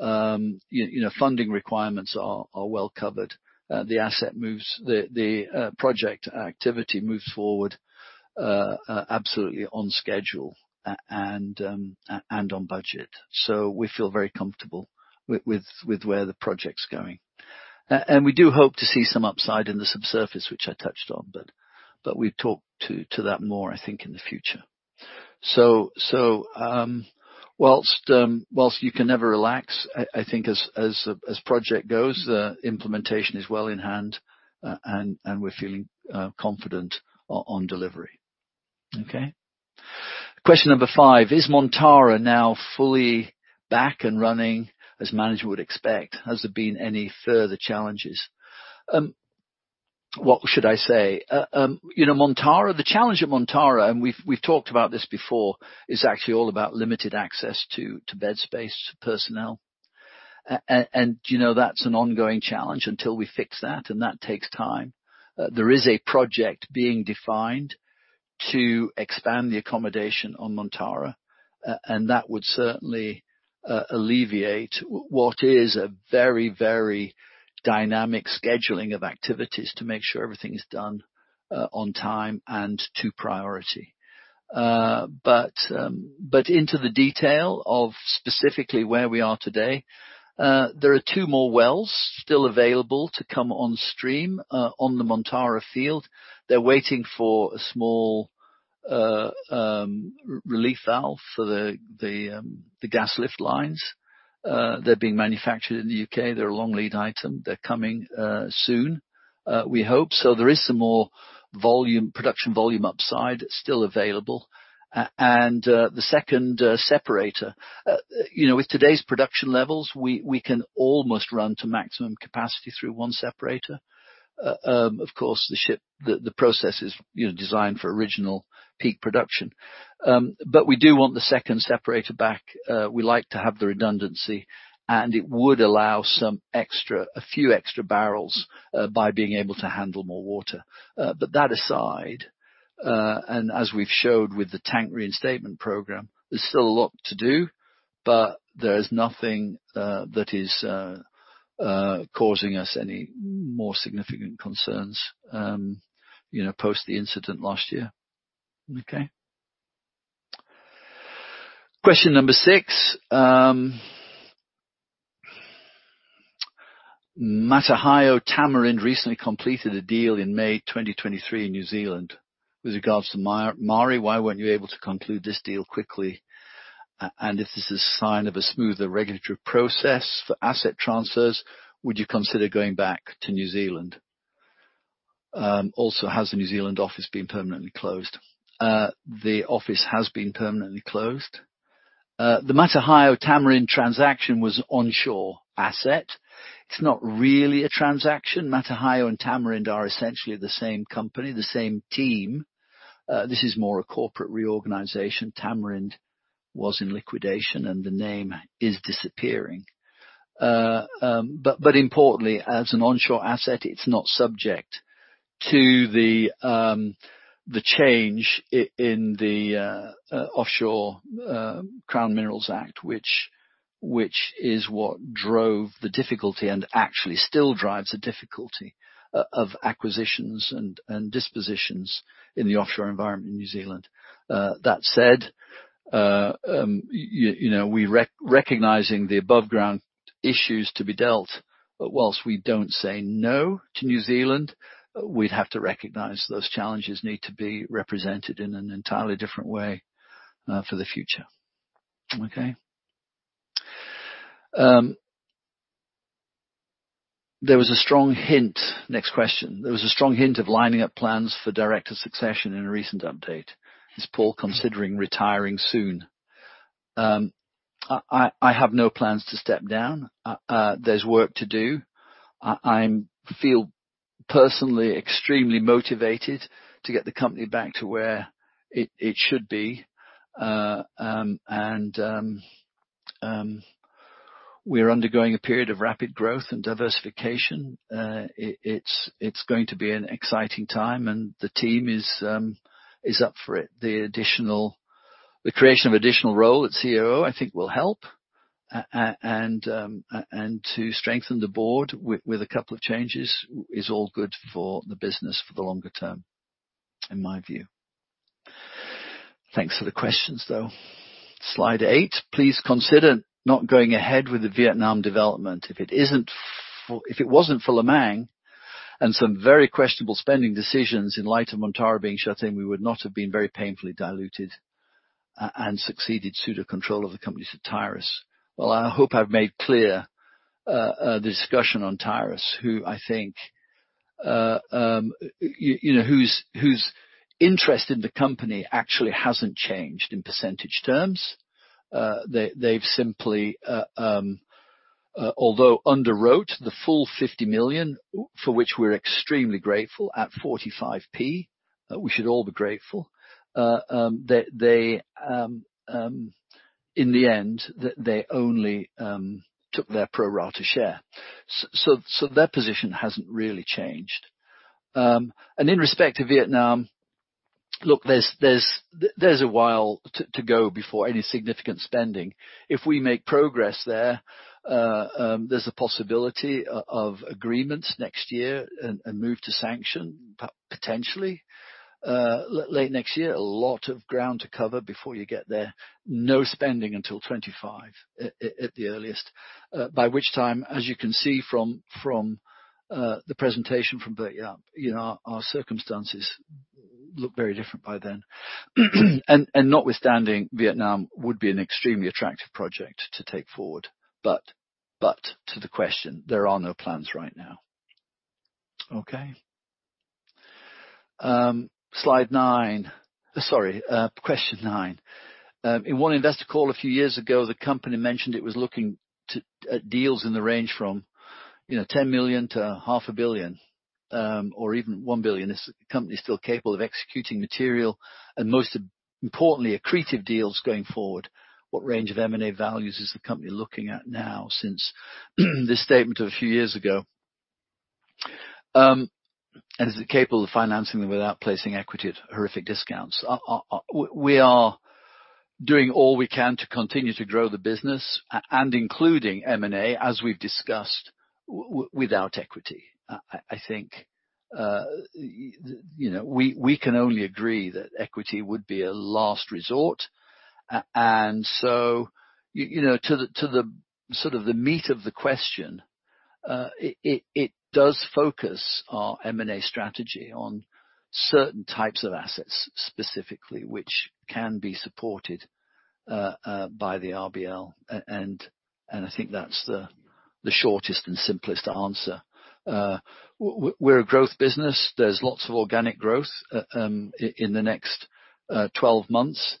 you know, funding requirements are well covered. The project activity moves forward absolutely on schedule and on budget. We feel very comfortable with where the project's going. We do hope to see some upside in the subsurface, which I touched on, but we'll talk to that more, I think, in the future. Whilst you can never relax, I think as project goes, implementation is well in hand, and we're feeling confident on delivery. Okay? Question number five: Is Montara now fully back and running as management would expect? Has there been any further challenges? What should I say? You know, Montara, the challenge at Montara, and we've talked about this before, is actually all about limited access to bed space, to personnel. You know, that's an ongoing challenge until we fix that, and that takes time. There is a project being defined to expand the accommodation on Montara, and that would certainly alleviate what is a very dynamic scheduling of activities to make sure everything is done on time and to priority. Into the detail of specifically where we are today, there are two more wells still available to come on stream on the Montara field. They're waiting for a small relief valve for the gas lift lines. They're being manufactured in the U.K. They're a long lead item. They're coming soon, we hope. There is some more volume, production volume upside still available. The second separator, you know, with today's production levels, we can almost run to maximum capacity through one separator. Of course, the ship, the process is, you know, designed for original peak production. We do want the second separator back. We like to have the redundancy, and it would allow a few extra barrels, by being able to handle more water. that aside, and as we've showed with the tank reinstatement program, there's still a lot to do. There is nothing that is causing us any more significant concerns, you know, post the incident last year. Okay? Question number six. Matahio Tamarind recently completed a deal in May 2023 in New Zealand. With regards to Maari, why weren't you able to conclude this deal quickly? if this is a sign of a smoother regulatory process for asset transfers, would you consider going back to New Zealand? also, has the New Zealand office been permanently closed? the office has been permanently closed. The Matahio Tamarind transaction was onshore asset. It's not really a transaction. Matahio and Tamarind are essentially the same company, the same team. This is more a corporate reorganization. Tamarind was in liquidation. The name is disappearing. Importantly, as an onshore asset, it's not subject to the change in the offshore Crown Minerals Act, which is what drove the difficulty and actually still drives the difficulty of acquisitions and dispositions in the offshore environment in New Zealand. That said, you know, we recognizing the above ground issues to be dealt, whilst we don't say no to New Zealand, we'd have to recognize those challenges need to be represented in an entirely different way for the future. Okay? There was a strong hint. Next question. There was a strong hint of lining up plans for director succession in a recent update. Is Paul considering retiring soon? I have no plans to step down. There's work to do. I'm feel personally extremely motivated to get the company back to where it should be. We're undergoing a period of rapid growth and diversification. It's going to be an exciting time, and the team is up for it. The creation of additional role at COO, I think, will help. To strengthen the board with a couple of changes is all good for the business for the longer term, in my view. Thanks for the questions, though. Slide eight. Please consider not going ahead with the Vietnam development. If it wasn't for Lemang and some very questionable spending decisions in light of Montara being shut in, we would not have been very painfully diluted, and succeeded suit of control of the company, said Tyrus. Well, I hope I've made clear the discussion on Tyrus, who I think, you know, whose interest in the company actually hasn't changed in percentage terms. They've simply, although underwrote the full $50 million, for which we're extremely grateful, at 45p. We should all be grateful. They, in the end, that they only took their pro rata share. So their position hasn't really changed. In respect to Vietnam, look, there's a while to go before any significant spending. If we make progress there's a possibility of agreements next year and move to sanction, potentially, late next year. A lot of ground to cover before you get there. No spending until 2025, at the earliest, by which time, as you can see from the presentation from Bert-Jaap, you know, our circumstances look very different by then. Notwithstanding, Vietnam would be an extremely attractive project to take forward, but to the question, there are no plans right now. Okay? Slide nine. Sorry, question nine. In one investor call a few years ago, the company mentioned it was looking at deals in the range from, you know, $10 million to half a billion, or even $1 billion. Is the company still capable of executing material, and most importantly, accretive deals going forward? What range of M&A values is the company looking at now, since this statement a few years ago? Is it capable of financing them without placing equity at horrific discounts? We are doing all we can to continue to grow the business, and including M&A, as we've discussed, without equity. I think, you know, we can only agree that equity would be a last resort. You know, to the, to the sort of the meat of the question, it does focus our M&A strategy on certain types of assets, specifically, which can be supported by the RBL. I think that's the shortest and simplest answer. We're a growth business. There's lots of organic growth in the next 12 months.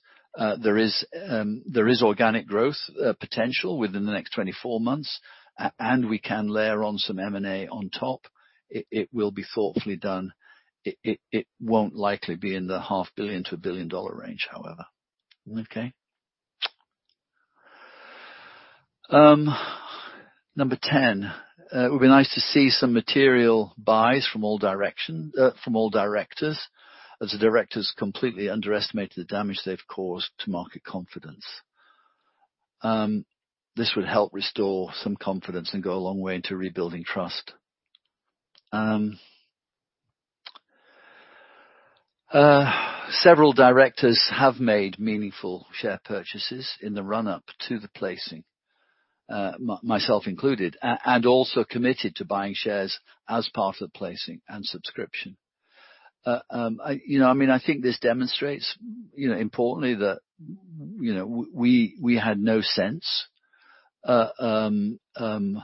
There is organic growth potential within the next 24 months, and we can layer on some M&A on top. It will be thoughtfully done. It won't likely be in the half billion to a billion-dollar range, however. Okay? Number 10, it would be nice to see some material buys from all directors, as the directors completely underestimated the damage they've caused to market confidence. This would help restore some confidence and go a long way into rebuilding trust. Several directors have made meaningful share purchases in the run-up to the placing, myself included, and also committed to buying shares as part of the placing and subscription. I, you know, I mean, I think this demonstrates, you know, importantly, that, you know, we had no sense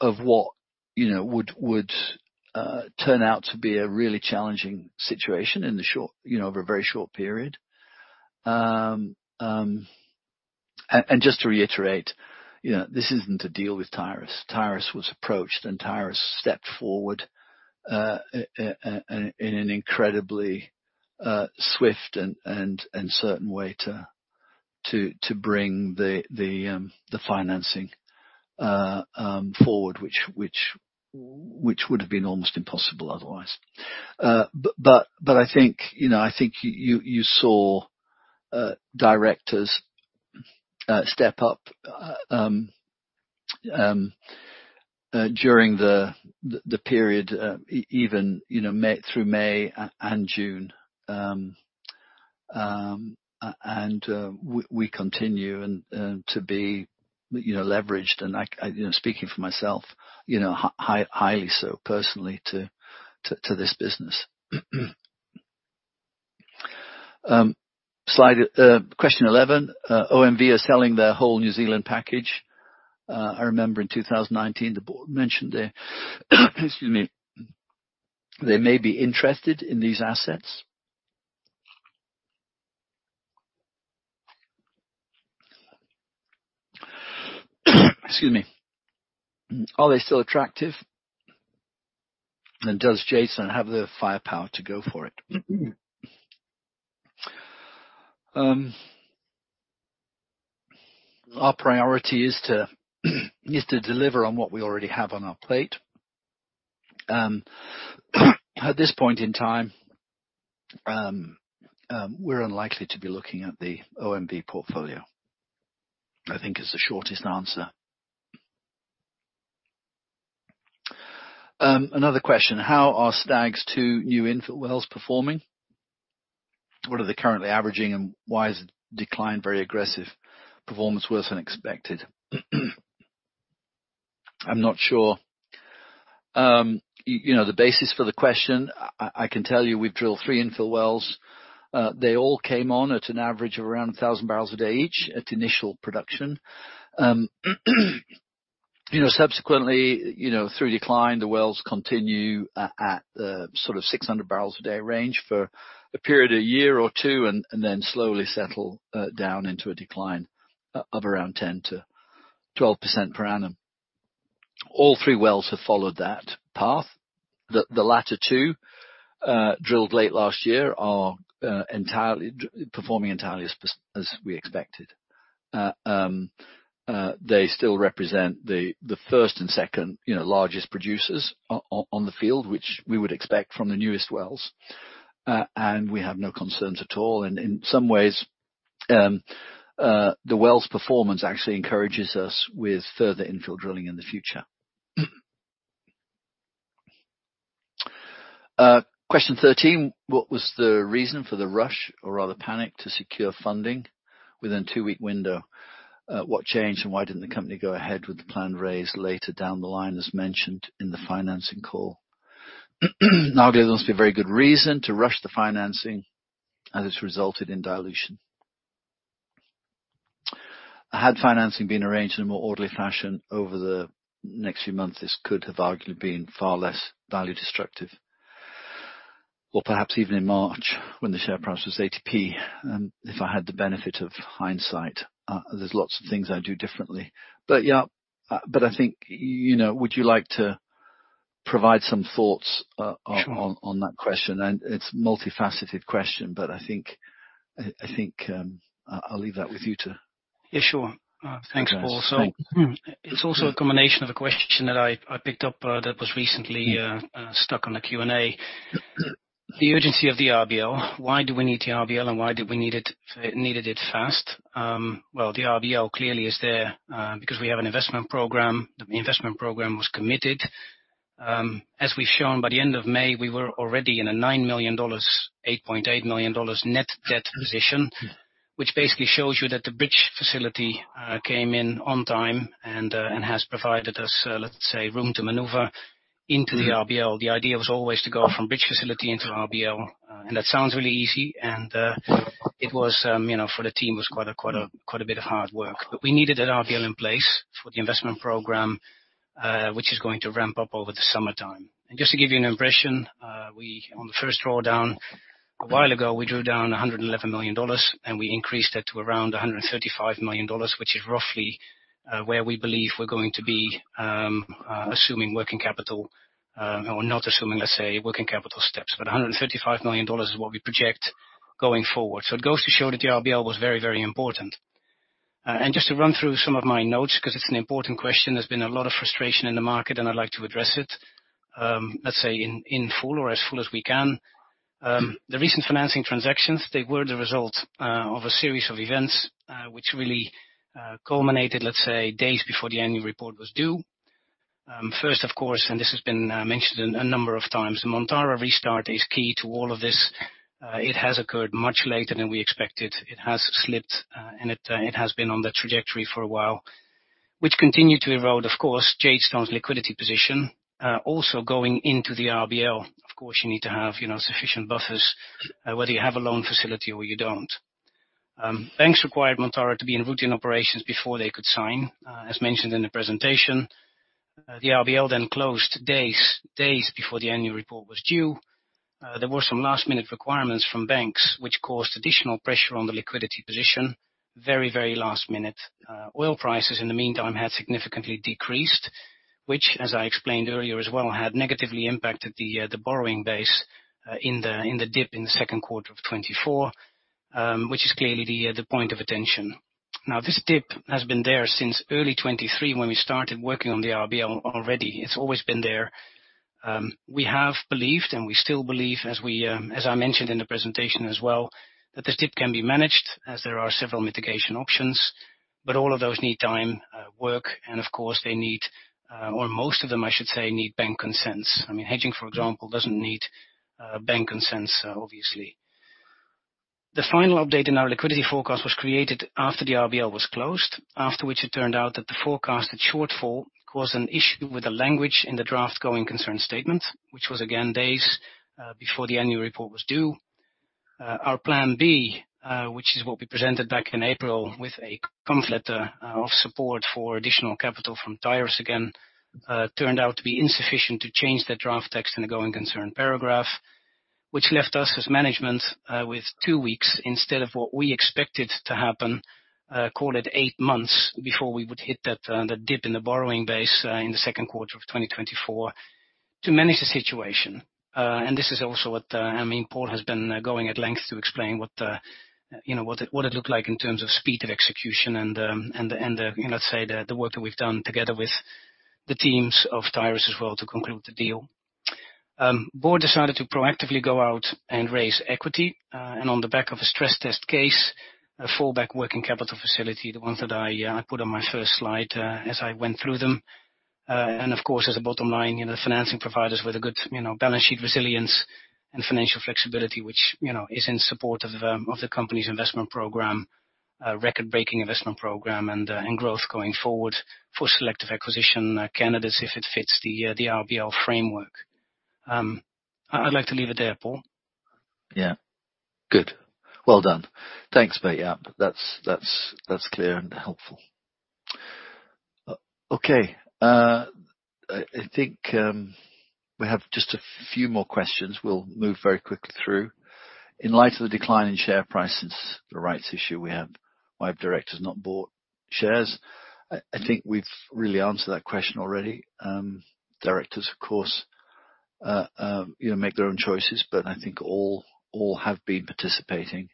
of what, you know, would turn out to be a really challenging situation in the short, you know, over a very short period. Just to reiterate, you know, this isn't a deal with Tyrus. Tyrus was approached, and Tyrus stepped forward in an incredibly swift and certain way to bring the financing forward, which would have been almost impossible otherwise. I think, you know, I think you saw directors step up during the period even, you know, through May and June. We continue and to be, you know, leveraged, and I... You know, speaking for myself, you know, highly so personally to this business. Slide, question 11, OMV are selling their whole New Zealand package. I remember in 2019, the board mentioned they, excuse me, they may be interested in these assets. Excuse me. Are they still attractive? Does Jadestone have the firepower to go for it? Our priority is to deliver on what we already have on our plate. At this point in time, we're unlikely to be looking at the OMV portfolio. I think is the shortest answer. Another question: How are Stag's two new infill wells performing? What are they currently averaging, and why is the decline very aggressive, performance worse than expected? I'm not sure. You know, the basis for the question, I can tell you, we've drilled three infill wells. They all came on at an average of around 1,000 bbl a day each, at initial production. You know, subsequently, you know, through decline, the wells continue at sort of 600 bbl a day range for a period of a year or two, and then slowly settle down into a decline of around 10%-12% per annum. All three wells have followed that path. The latter two drilled late last year, are performing entirely as we expected. They still represent the first and second, you know, largest producers on the field, which we would expect from the newest wells. We have no concerns at all. In some ways, the wells' performance actually encourages us with further infill drilling in the future. Question 13: What was the reason for the rush, or rather, panic, to secure funding within a two-week window? What changed, and why didn't the company go ahead with the planned raise later down the line, as mentioned in the financing call? There obviously must be a very good reason to rush the financing, as it's resulted in dilution. Had financing been arranged in a more orderly fashion over the next few months, this could have arguably been far less value destructive, or perhaps even in March, when the share price was 80p. If I had the benefit of hindsight, there's lots of things I'd do differently. Yeah, but I think, you know, would you like to provide some thoughts- Sure. on that question? It's a multifaceted question, but I think, I'll leave that with you. Yeah, sure. Thanks, Paul. Thanks. It's also a combination of a question that I picked up that was recently stuck on the Q&A. The urgency of the RBL, why do we need the RBL, and why do we need it needed it fast? The RBL clearly is there because we have an investment program. The investment program was committed. As we've shown, by the end of May, we were already in a $9 million, $8.8 million net debt position, which basically shows you that the bridge facility came in on time and has provided us, let's say, room to maneuver into the RBL. The idea was always to go from bridge facility into RBL. That sounds really easy and, it was, you know, for the team, it was quite a bit of hard work. We needed an RBL in place for the investment program, which is going to ramp up over the summertime. Just to give you an impression, we, on the first drawdown a while ago, we drew down $111 million, and we increased that to around $135 million, which is roughly where we believe we're going to be, assuming working capital, or not assuming, let's say, working capital steps. $135 million is what we project going forward. It goes to show that the RBL was very, very important. Just to run through some of my notes, because it's an important question. There's been a lot of frustration in the market, and I'd like to address it, let's say, in full or as full as we can. The recent financing transactions, they were the result of a series of events, which really culminated, let's say, days before the annual report was due. First, of course, and this has been mentioned a number of times, Montara restart is key to all of this. It has occurred much later than we expected. It has slipped, and it has been on the trajectory for a while, which continued to erode, of course, Jadestone's liquidity position. Also going into the RBL, of course, you need to have, you know, sufficient buffers, whether you have a loan facility or you don't. Banks required Montara to be in routine operations before they could sign. As mentioned in the presentation, the RBL then closed days before the annual report was due. There were some last-minute requirements from banks, which caused additional pressure on the liquidity position. Very last minute. Oil prices, in the meantime, had significantly decreased, which, as I explained earlier as well, had negatively impacted the borrowing base in the dip in the second quarter of 2024, which is clearly the point of attention. This dip has been there since early 2023, when we started working on the RBL already. It's always been there. We have believed, and we still believe, as we, as I mentioned in the presentation as well, that this dip can be managed as there are several mitigation options, all of those need time, work, and of course, they need, or most of them, I should say, need bank consents. I mean, hedging, for example, doesn't need bank consents, obviously. The final update in our liquidity forecast was created after the RBL was closed, after which it turned out that the forecasted shortfall caused an issue with the language in the draft going concern statement, which was, again, days before the annual report was due. Our plan B, which is what we presented back in April with a comfort letter of support for additional capital from Tyrus again, turned out to be insufficient to change the draft text in the going concern paragraph, which left us as management with two weeks instead of what we expected to happen, call it eight months, before we would hit that dip in the borrowing base in the second quarter of 2024, to manage the situation. This is also what I mean, Paul has been going at length to explain what the, you know, what it, what it looked like in terms of speed of execution and the, and the, you know, let's say, the work that we've done together with the teams of Tyrus as well to conclude the deal. Board decided to proactively go out and raise equity, and on the back of a stress test case, a fallback working capital facility, the ones that I put on my first slide, as I went through them. Of course, as a bottom line, you know, financing providers with a good, you know, balance sheet resilience and financial flexibility, which, you know, is in support of the company's investment program, record-breaking investment program, and growth going forward for selective acquisition candidates, if it fits the RBL framework. I'd like to leave it there, Paul. Good. Well done. Thanks, Bert-Jaap. That's, that's clear and helpful. Okay, I think we have just a few more questions. We'll move very quickly through. In light of the decline in share price since the rights issue we have, why have directors not bought shares? I think we've really answered that question already. Directors, of course, you know, make their own choices, but I think all have been participating,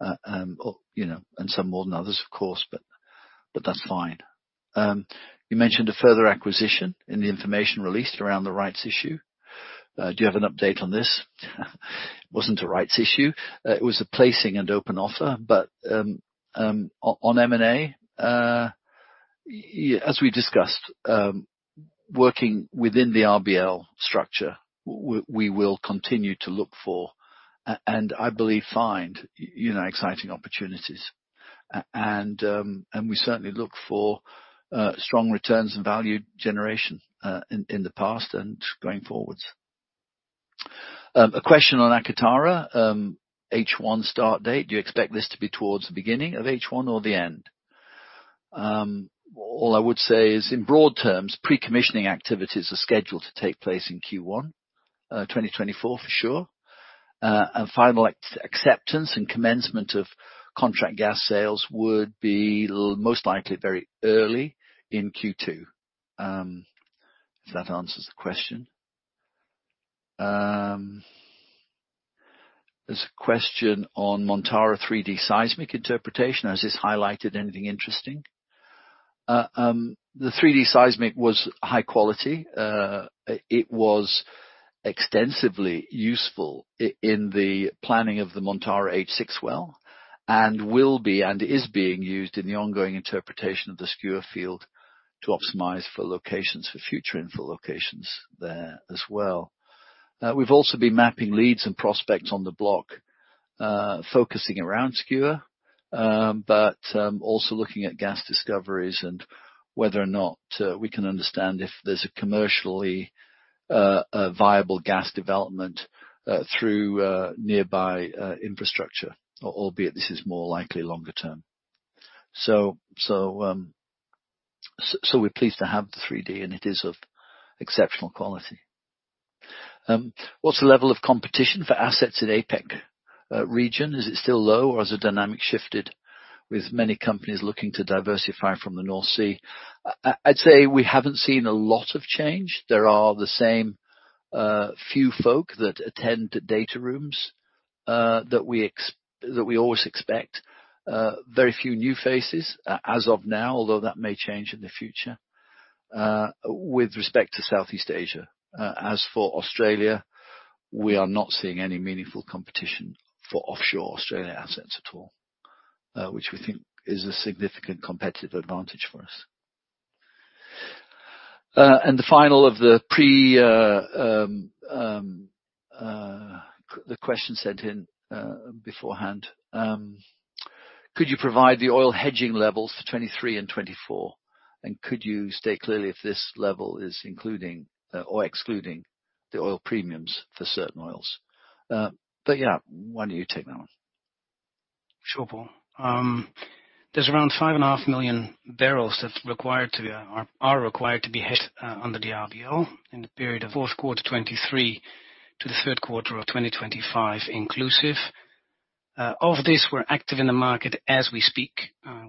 or, you know, and some more than others, of course, but that's fine. You mentioned a further acquisition in the information released around the rights issue. Do you have an update on this? Wasn't a rights issue. It was a placing and open offer. On M&A, as we discussed, working within the RBL structure, we will continue to look for, and I believe, find you know, exciting opportunities. We certainly look for strong returns and value generation in the past and going forwards. A question on Akatara, H1 start date. Do you expect this to be towards the beginning of H1 or the end? All I would say is, in broad terms, pre-commissioning activities are scheduled to take place in Q1 2024, for sure. Final acceptance and commencement of contract gas sales would be most likely very early in Q2. If that answers the question. There's a question on Montara 3D seismic interpretation. Has this highlighted anything interesting? The 3D seismic was high quality. It was extensively useful in the planning of the Montara H6 well, and will be, and is being used in the ongoing interpretation of the Skua field to optimize for locations, for future infill locations there as well. We've also been mapping leads and prospects on the block, focusing around Skua, but also looking at gas discoveries and whether or not we can understand if there's a commercially viable gas development through nearby infrastructure, albeit this is more likely longer term. We're pleased to have the 3D, and it is of exceptional quality. What's the level of competition for assets in APAC region? Is it still low, or has the dynamic shifted with many companies looking to diversify from the North Sea? I'd say we haven't seen a lot of change. There are the same few folk that attend data rooms that we always expect. Very few new faces as of now, although that may change in the future. With respect to Southeast Asia. As for Australia, we are not seeing any meaningful competition for offshore Australia assets at all, which we think is a significant competitive advantage for us. The final of the pre the question sent in beforehand. Could you provide the oil hedging levels for 2023 and 2024? Could you state clearly if this level is including or excluding the oil premiums for certain oils? Yeah, why don't you take that one? Sure, Paul. There's around 5.5 million bbl are required to be hedged under the RBL in the period of fourth quarter 2023 to the third quarter of 2025 inclusive. Of this, we're active in the market as we speak.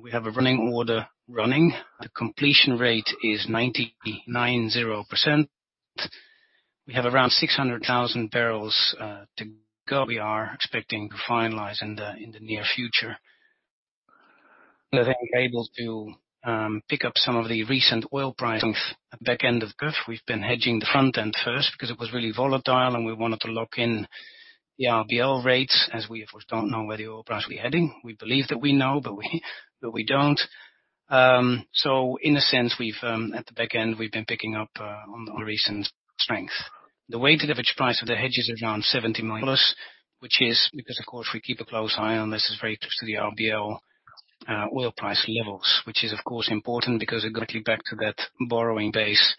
We have a running order running. The completion rate is 99.0%. We have around 600,000 bbl to go. We are expecting to finalize in the near future. Then we're able to pick up some of the recent oil pricing at back end of curve. We've been hedging the front end first because it was really volatile, and we wanted to lock in the RBL rates, as we of course, don't know where the oil price we're heading. We believe that we know, but we don't. In a sense, we've at the back end, we've been picking up on recent strength. The weighted average price of the hedges is around $70 million, which is because, of course, we keep a close eye on this, is very close to the RBL oil price levels, which is, of course, important because it goes back to that borrowing base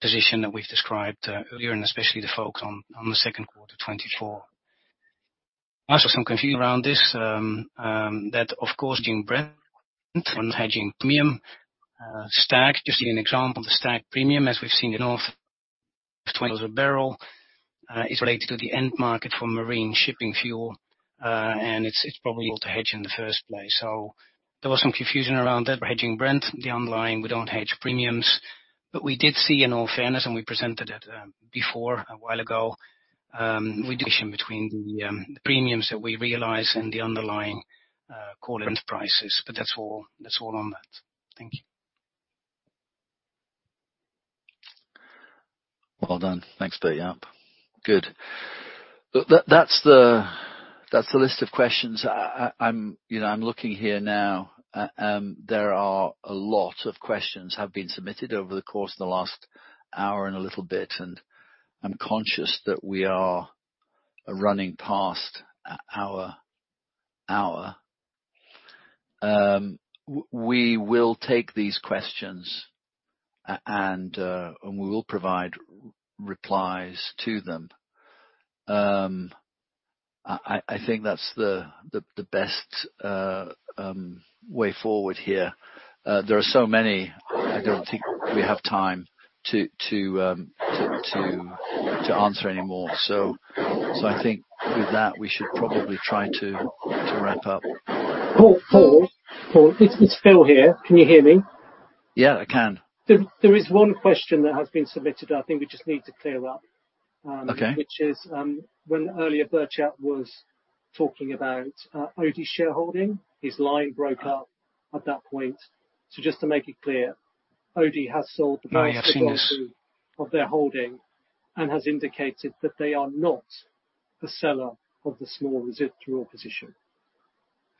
position that we've described earlier, and especially the focus on the second quarter 2024. Some confusion around this, that, of course, being Brent, not hedging premium Stag. Just see an example of the Stag premium, as we've seen in off a barrel, is related to the end market for marine shipping fuel. It's probably hard to hedge in the first place. There was some confusion around that. We're hedging Brent, the underlying, we don't hedge premiums, we did see, in all fairness, and we presented it, before, a while ago, reduction between the premiums that we realize and the underlying, current prices. That's all, that's all on that. Thank you. Well done. Thanks, Bert-Jaap. Good. That's the list of questions. I'm, you know, I'm looking here now. There are a lot of questions have been submitted over the course of the last hour and a little bit, and I'm conscious that we are running past hour. We will take these questions and we will provide replies to them. I think that's the best way forward here. There are so many, I don't think we have time to answer any more. I think with that, we should probably try to wrap up. Paul, it's Phil here. Can you hear me? Yeah, I can. There is one question that has been submitted, I think we just need to clear up. Okay. Which is, when earlier Bert-Jaap was talking about, Odey shareholding, his line broke up at that point. Just to make it clear, Odey has sold the majority- I have seen this. - of their holding and has indicated that they are not the seller of the small residual position.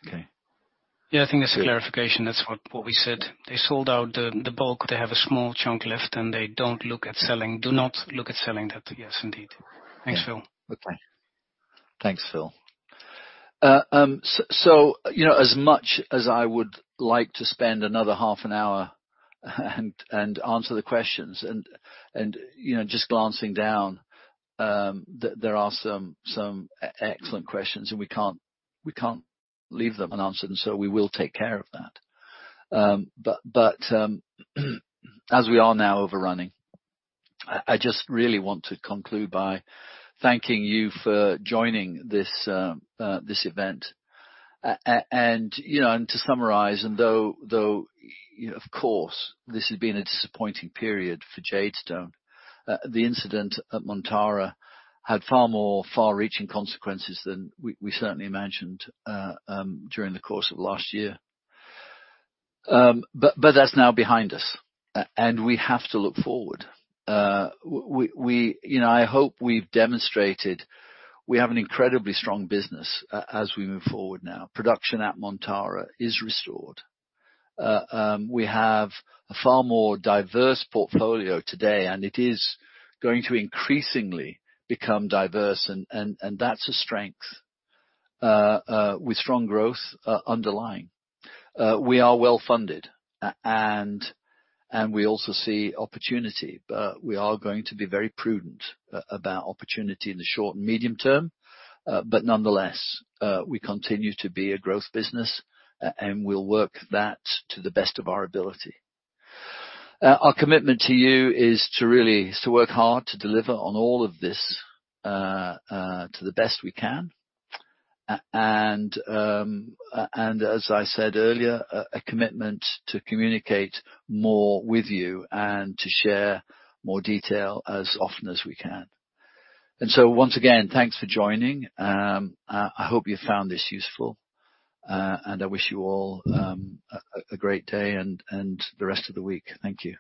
Okay. Yeah, I think that's a clarification. That's what we said. They sold out the bulk. They have a small chunk left, and they don't look at selling. Do not look at selling that. Yes, indeed. Yeah. Thanks, Phil. Okay. Thanks, Phil. You know, as much as I would like to spend another half an hour and answer the questions, and you know, just glancing down, there are some excellent questions, and we can't leave them unanswered, and so we will take care of that. As we are now overrunning, I just really want to conclude by thanking you for joining this event. You know, to summarize, though you know, of course, this has been a disappointing period for Jadestone, the incident at Montara had far more far-reaching consequences than we certainly imagined during the course of last year. That's now behind us, and we have to look forward. We, you know, I hope we've demonstrated we have an incredibly strong business as we move forward now. Production at Montara is restored. We have a far more diverse portfolio today, and it is going to increasingly become diverse, and that's a strength with strong growth underlying. We are well-funded, and we also see opportunity, but we are going to be very prudent about opportunity in the short and medium term. Nonetheless, we continue to be a growth business, and we'll work that to the best of our ability. Our commitment to you is to really, is to work hard to deliver on all of this to the best we can. As I said earlier, a commitment to communicate more with you and to share more detail as often as we can. Once again, thanks for joining. I hope you found this useful, and I wish you all a great day and the rest of the week. Thank you.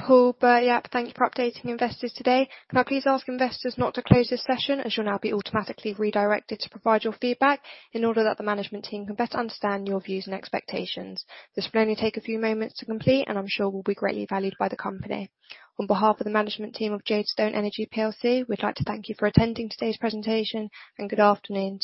Paul, Bert-Jaap, thank you for updating investors today. Can I please ask investors not to close this session, as you'll now be automatically redirected to provide your feedback in order that the management team can better understand your views and expectations? This will only take a few moments to complete, and I'm sure will be greatly valued by the company. On behalf of the management team of Jadestone Energy plc, we'd like to thank you for attending today's presentation, and good afternoon.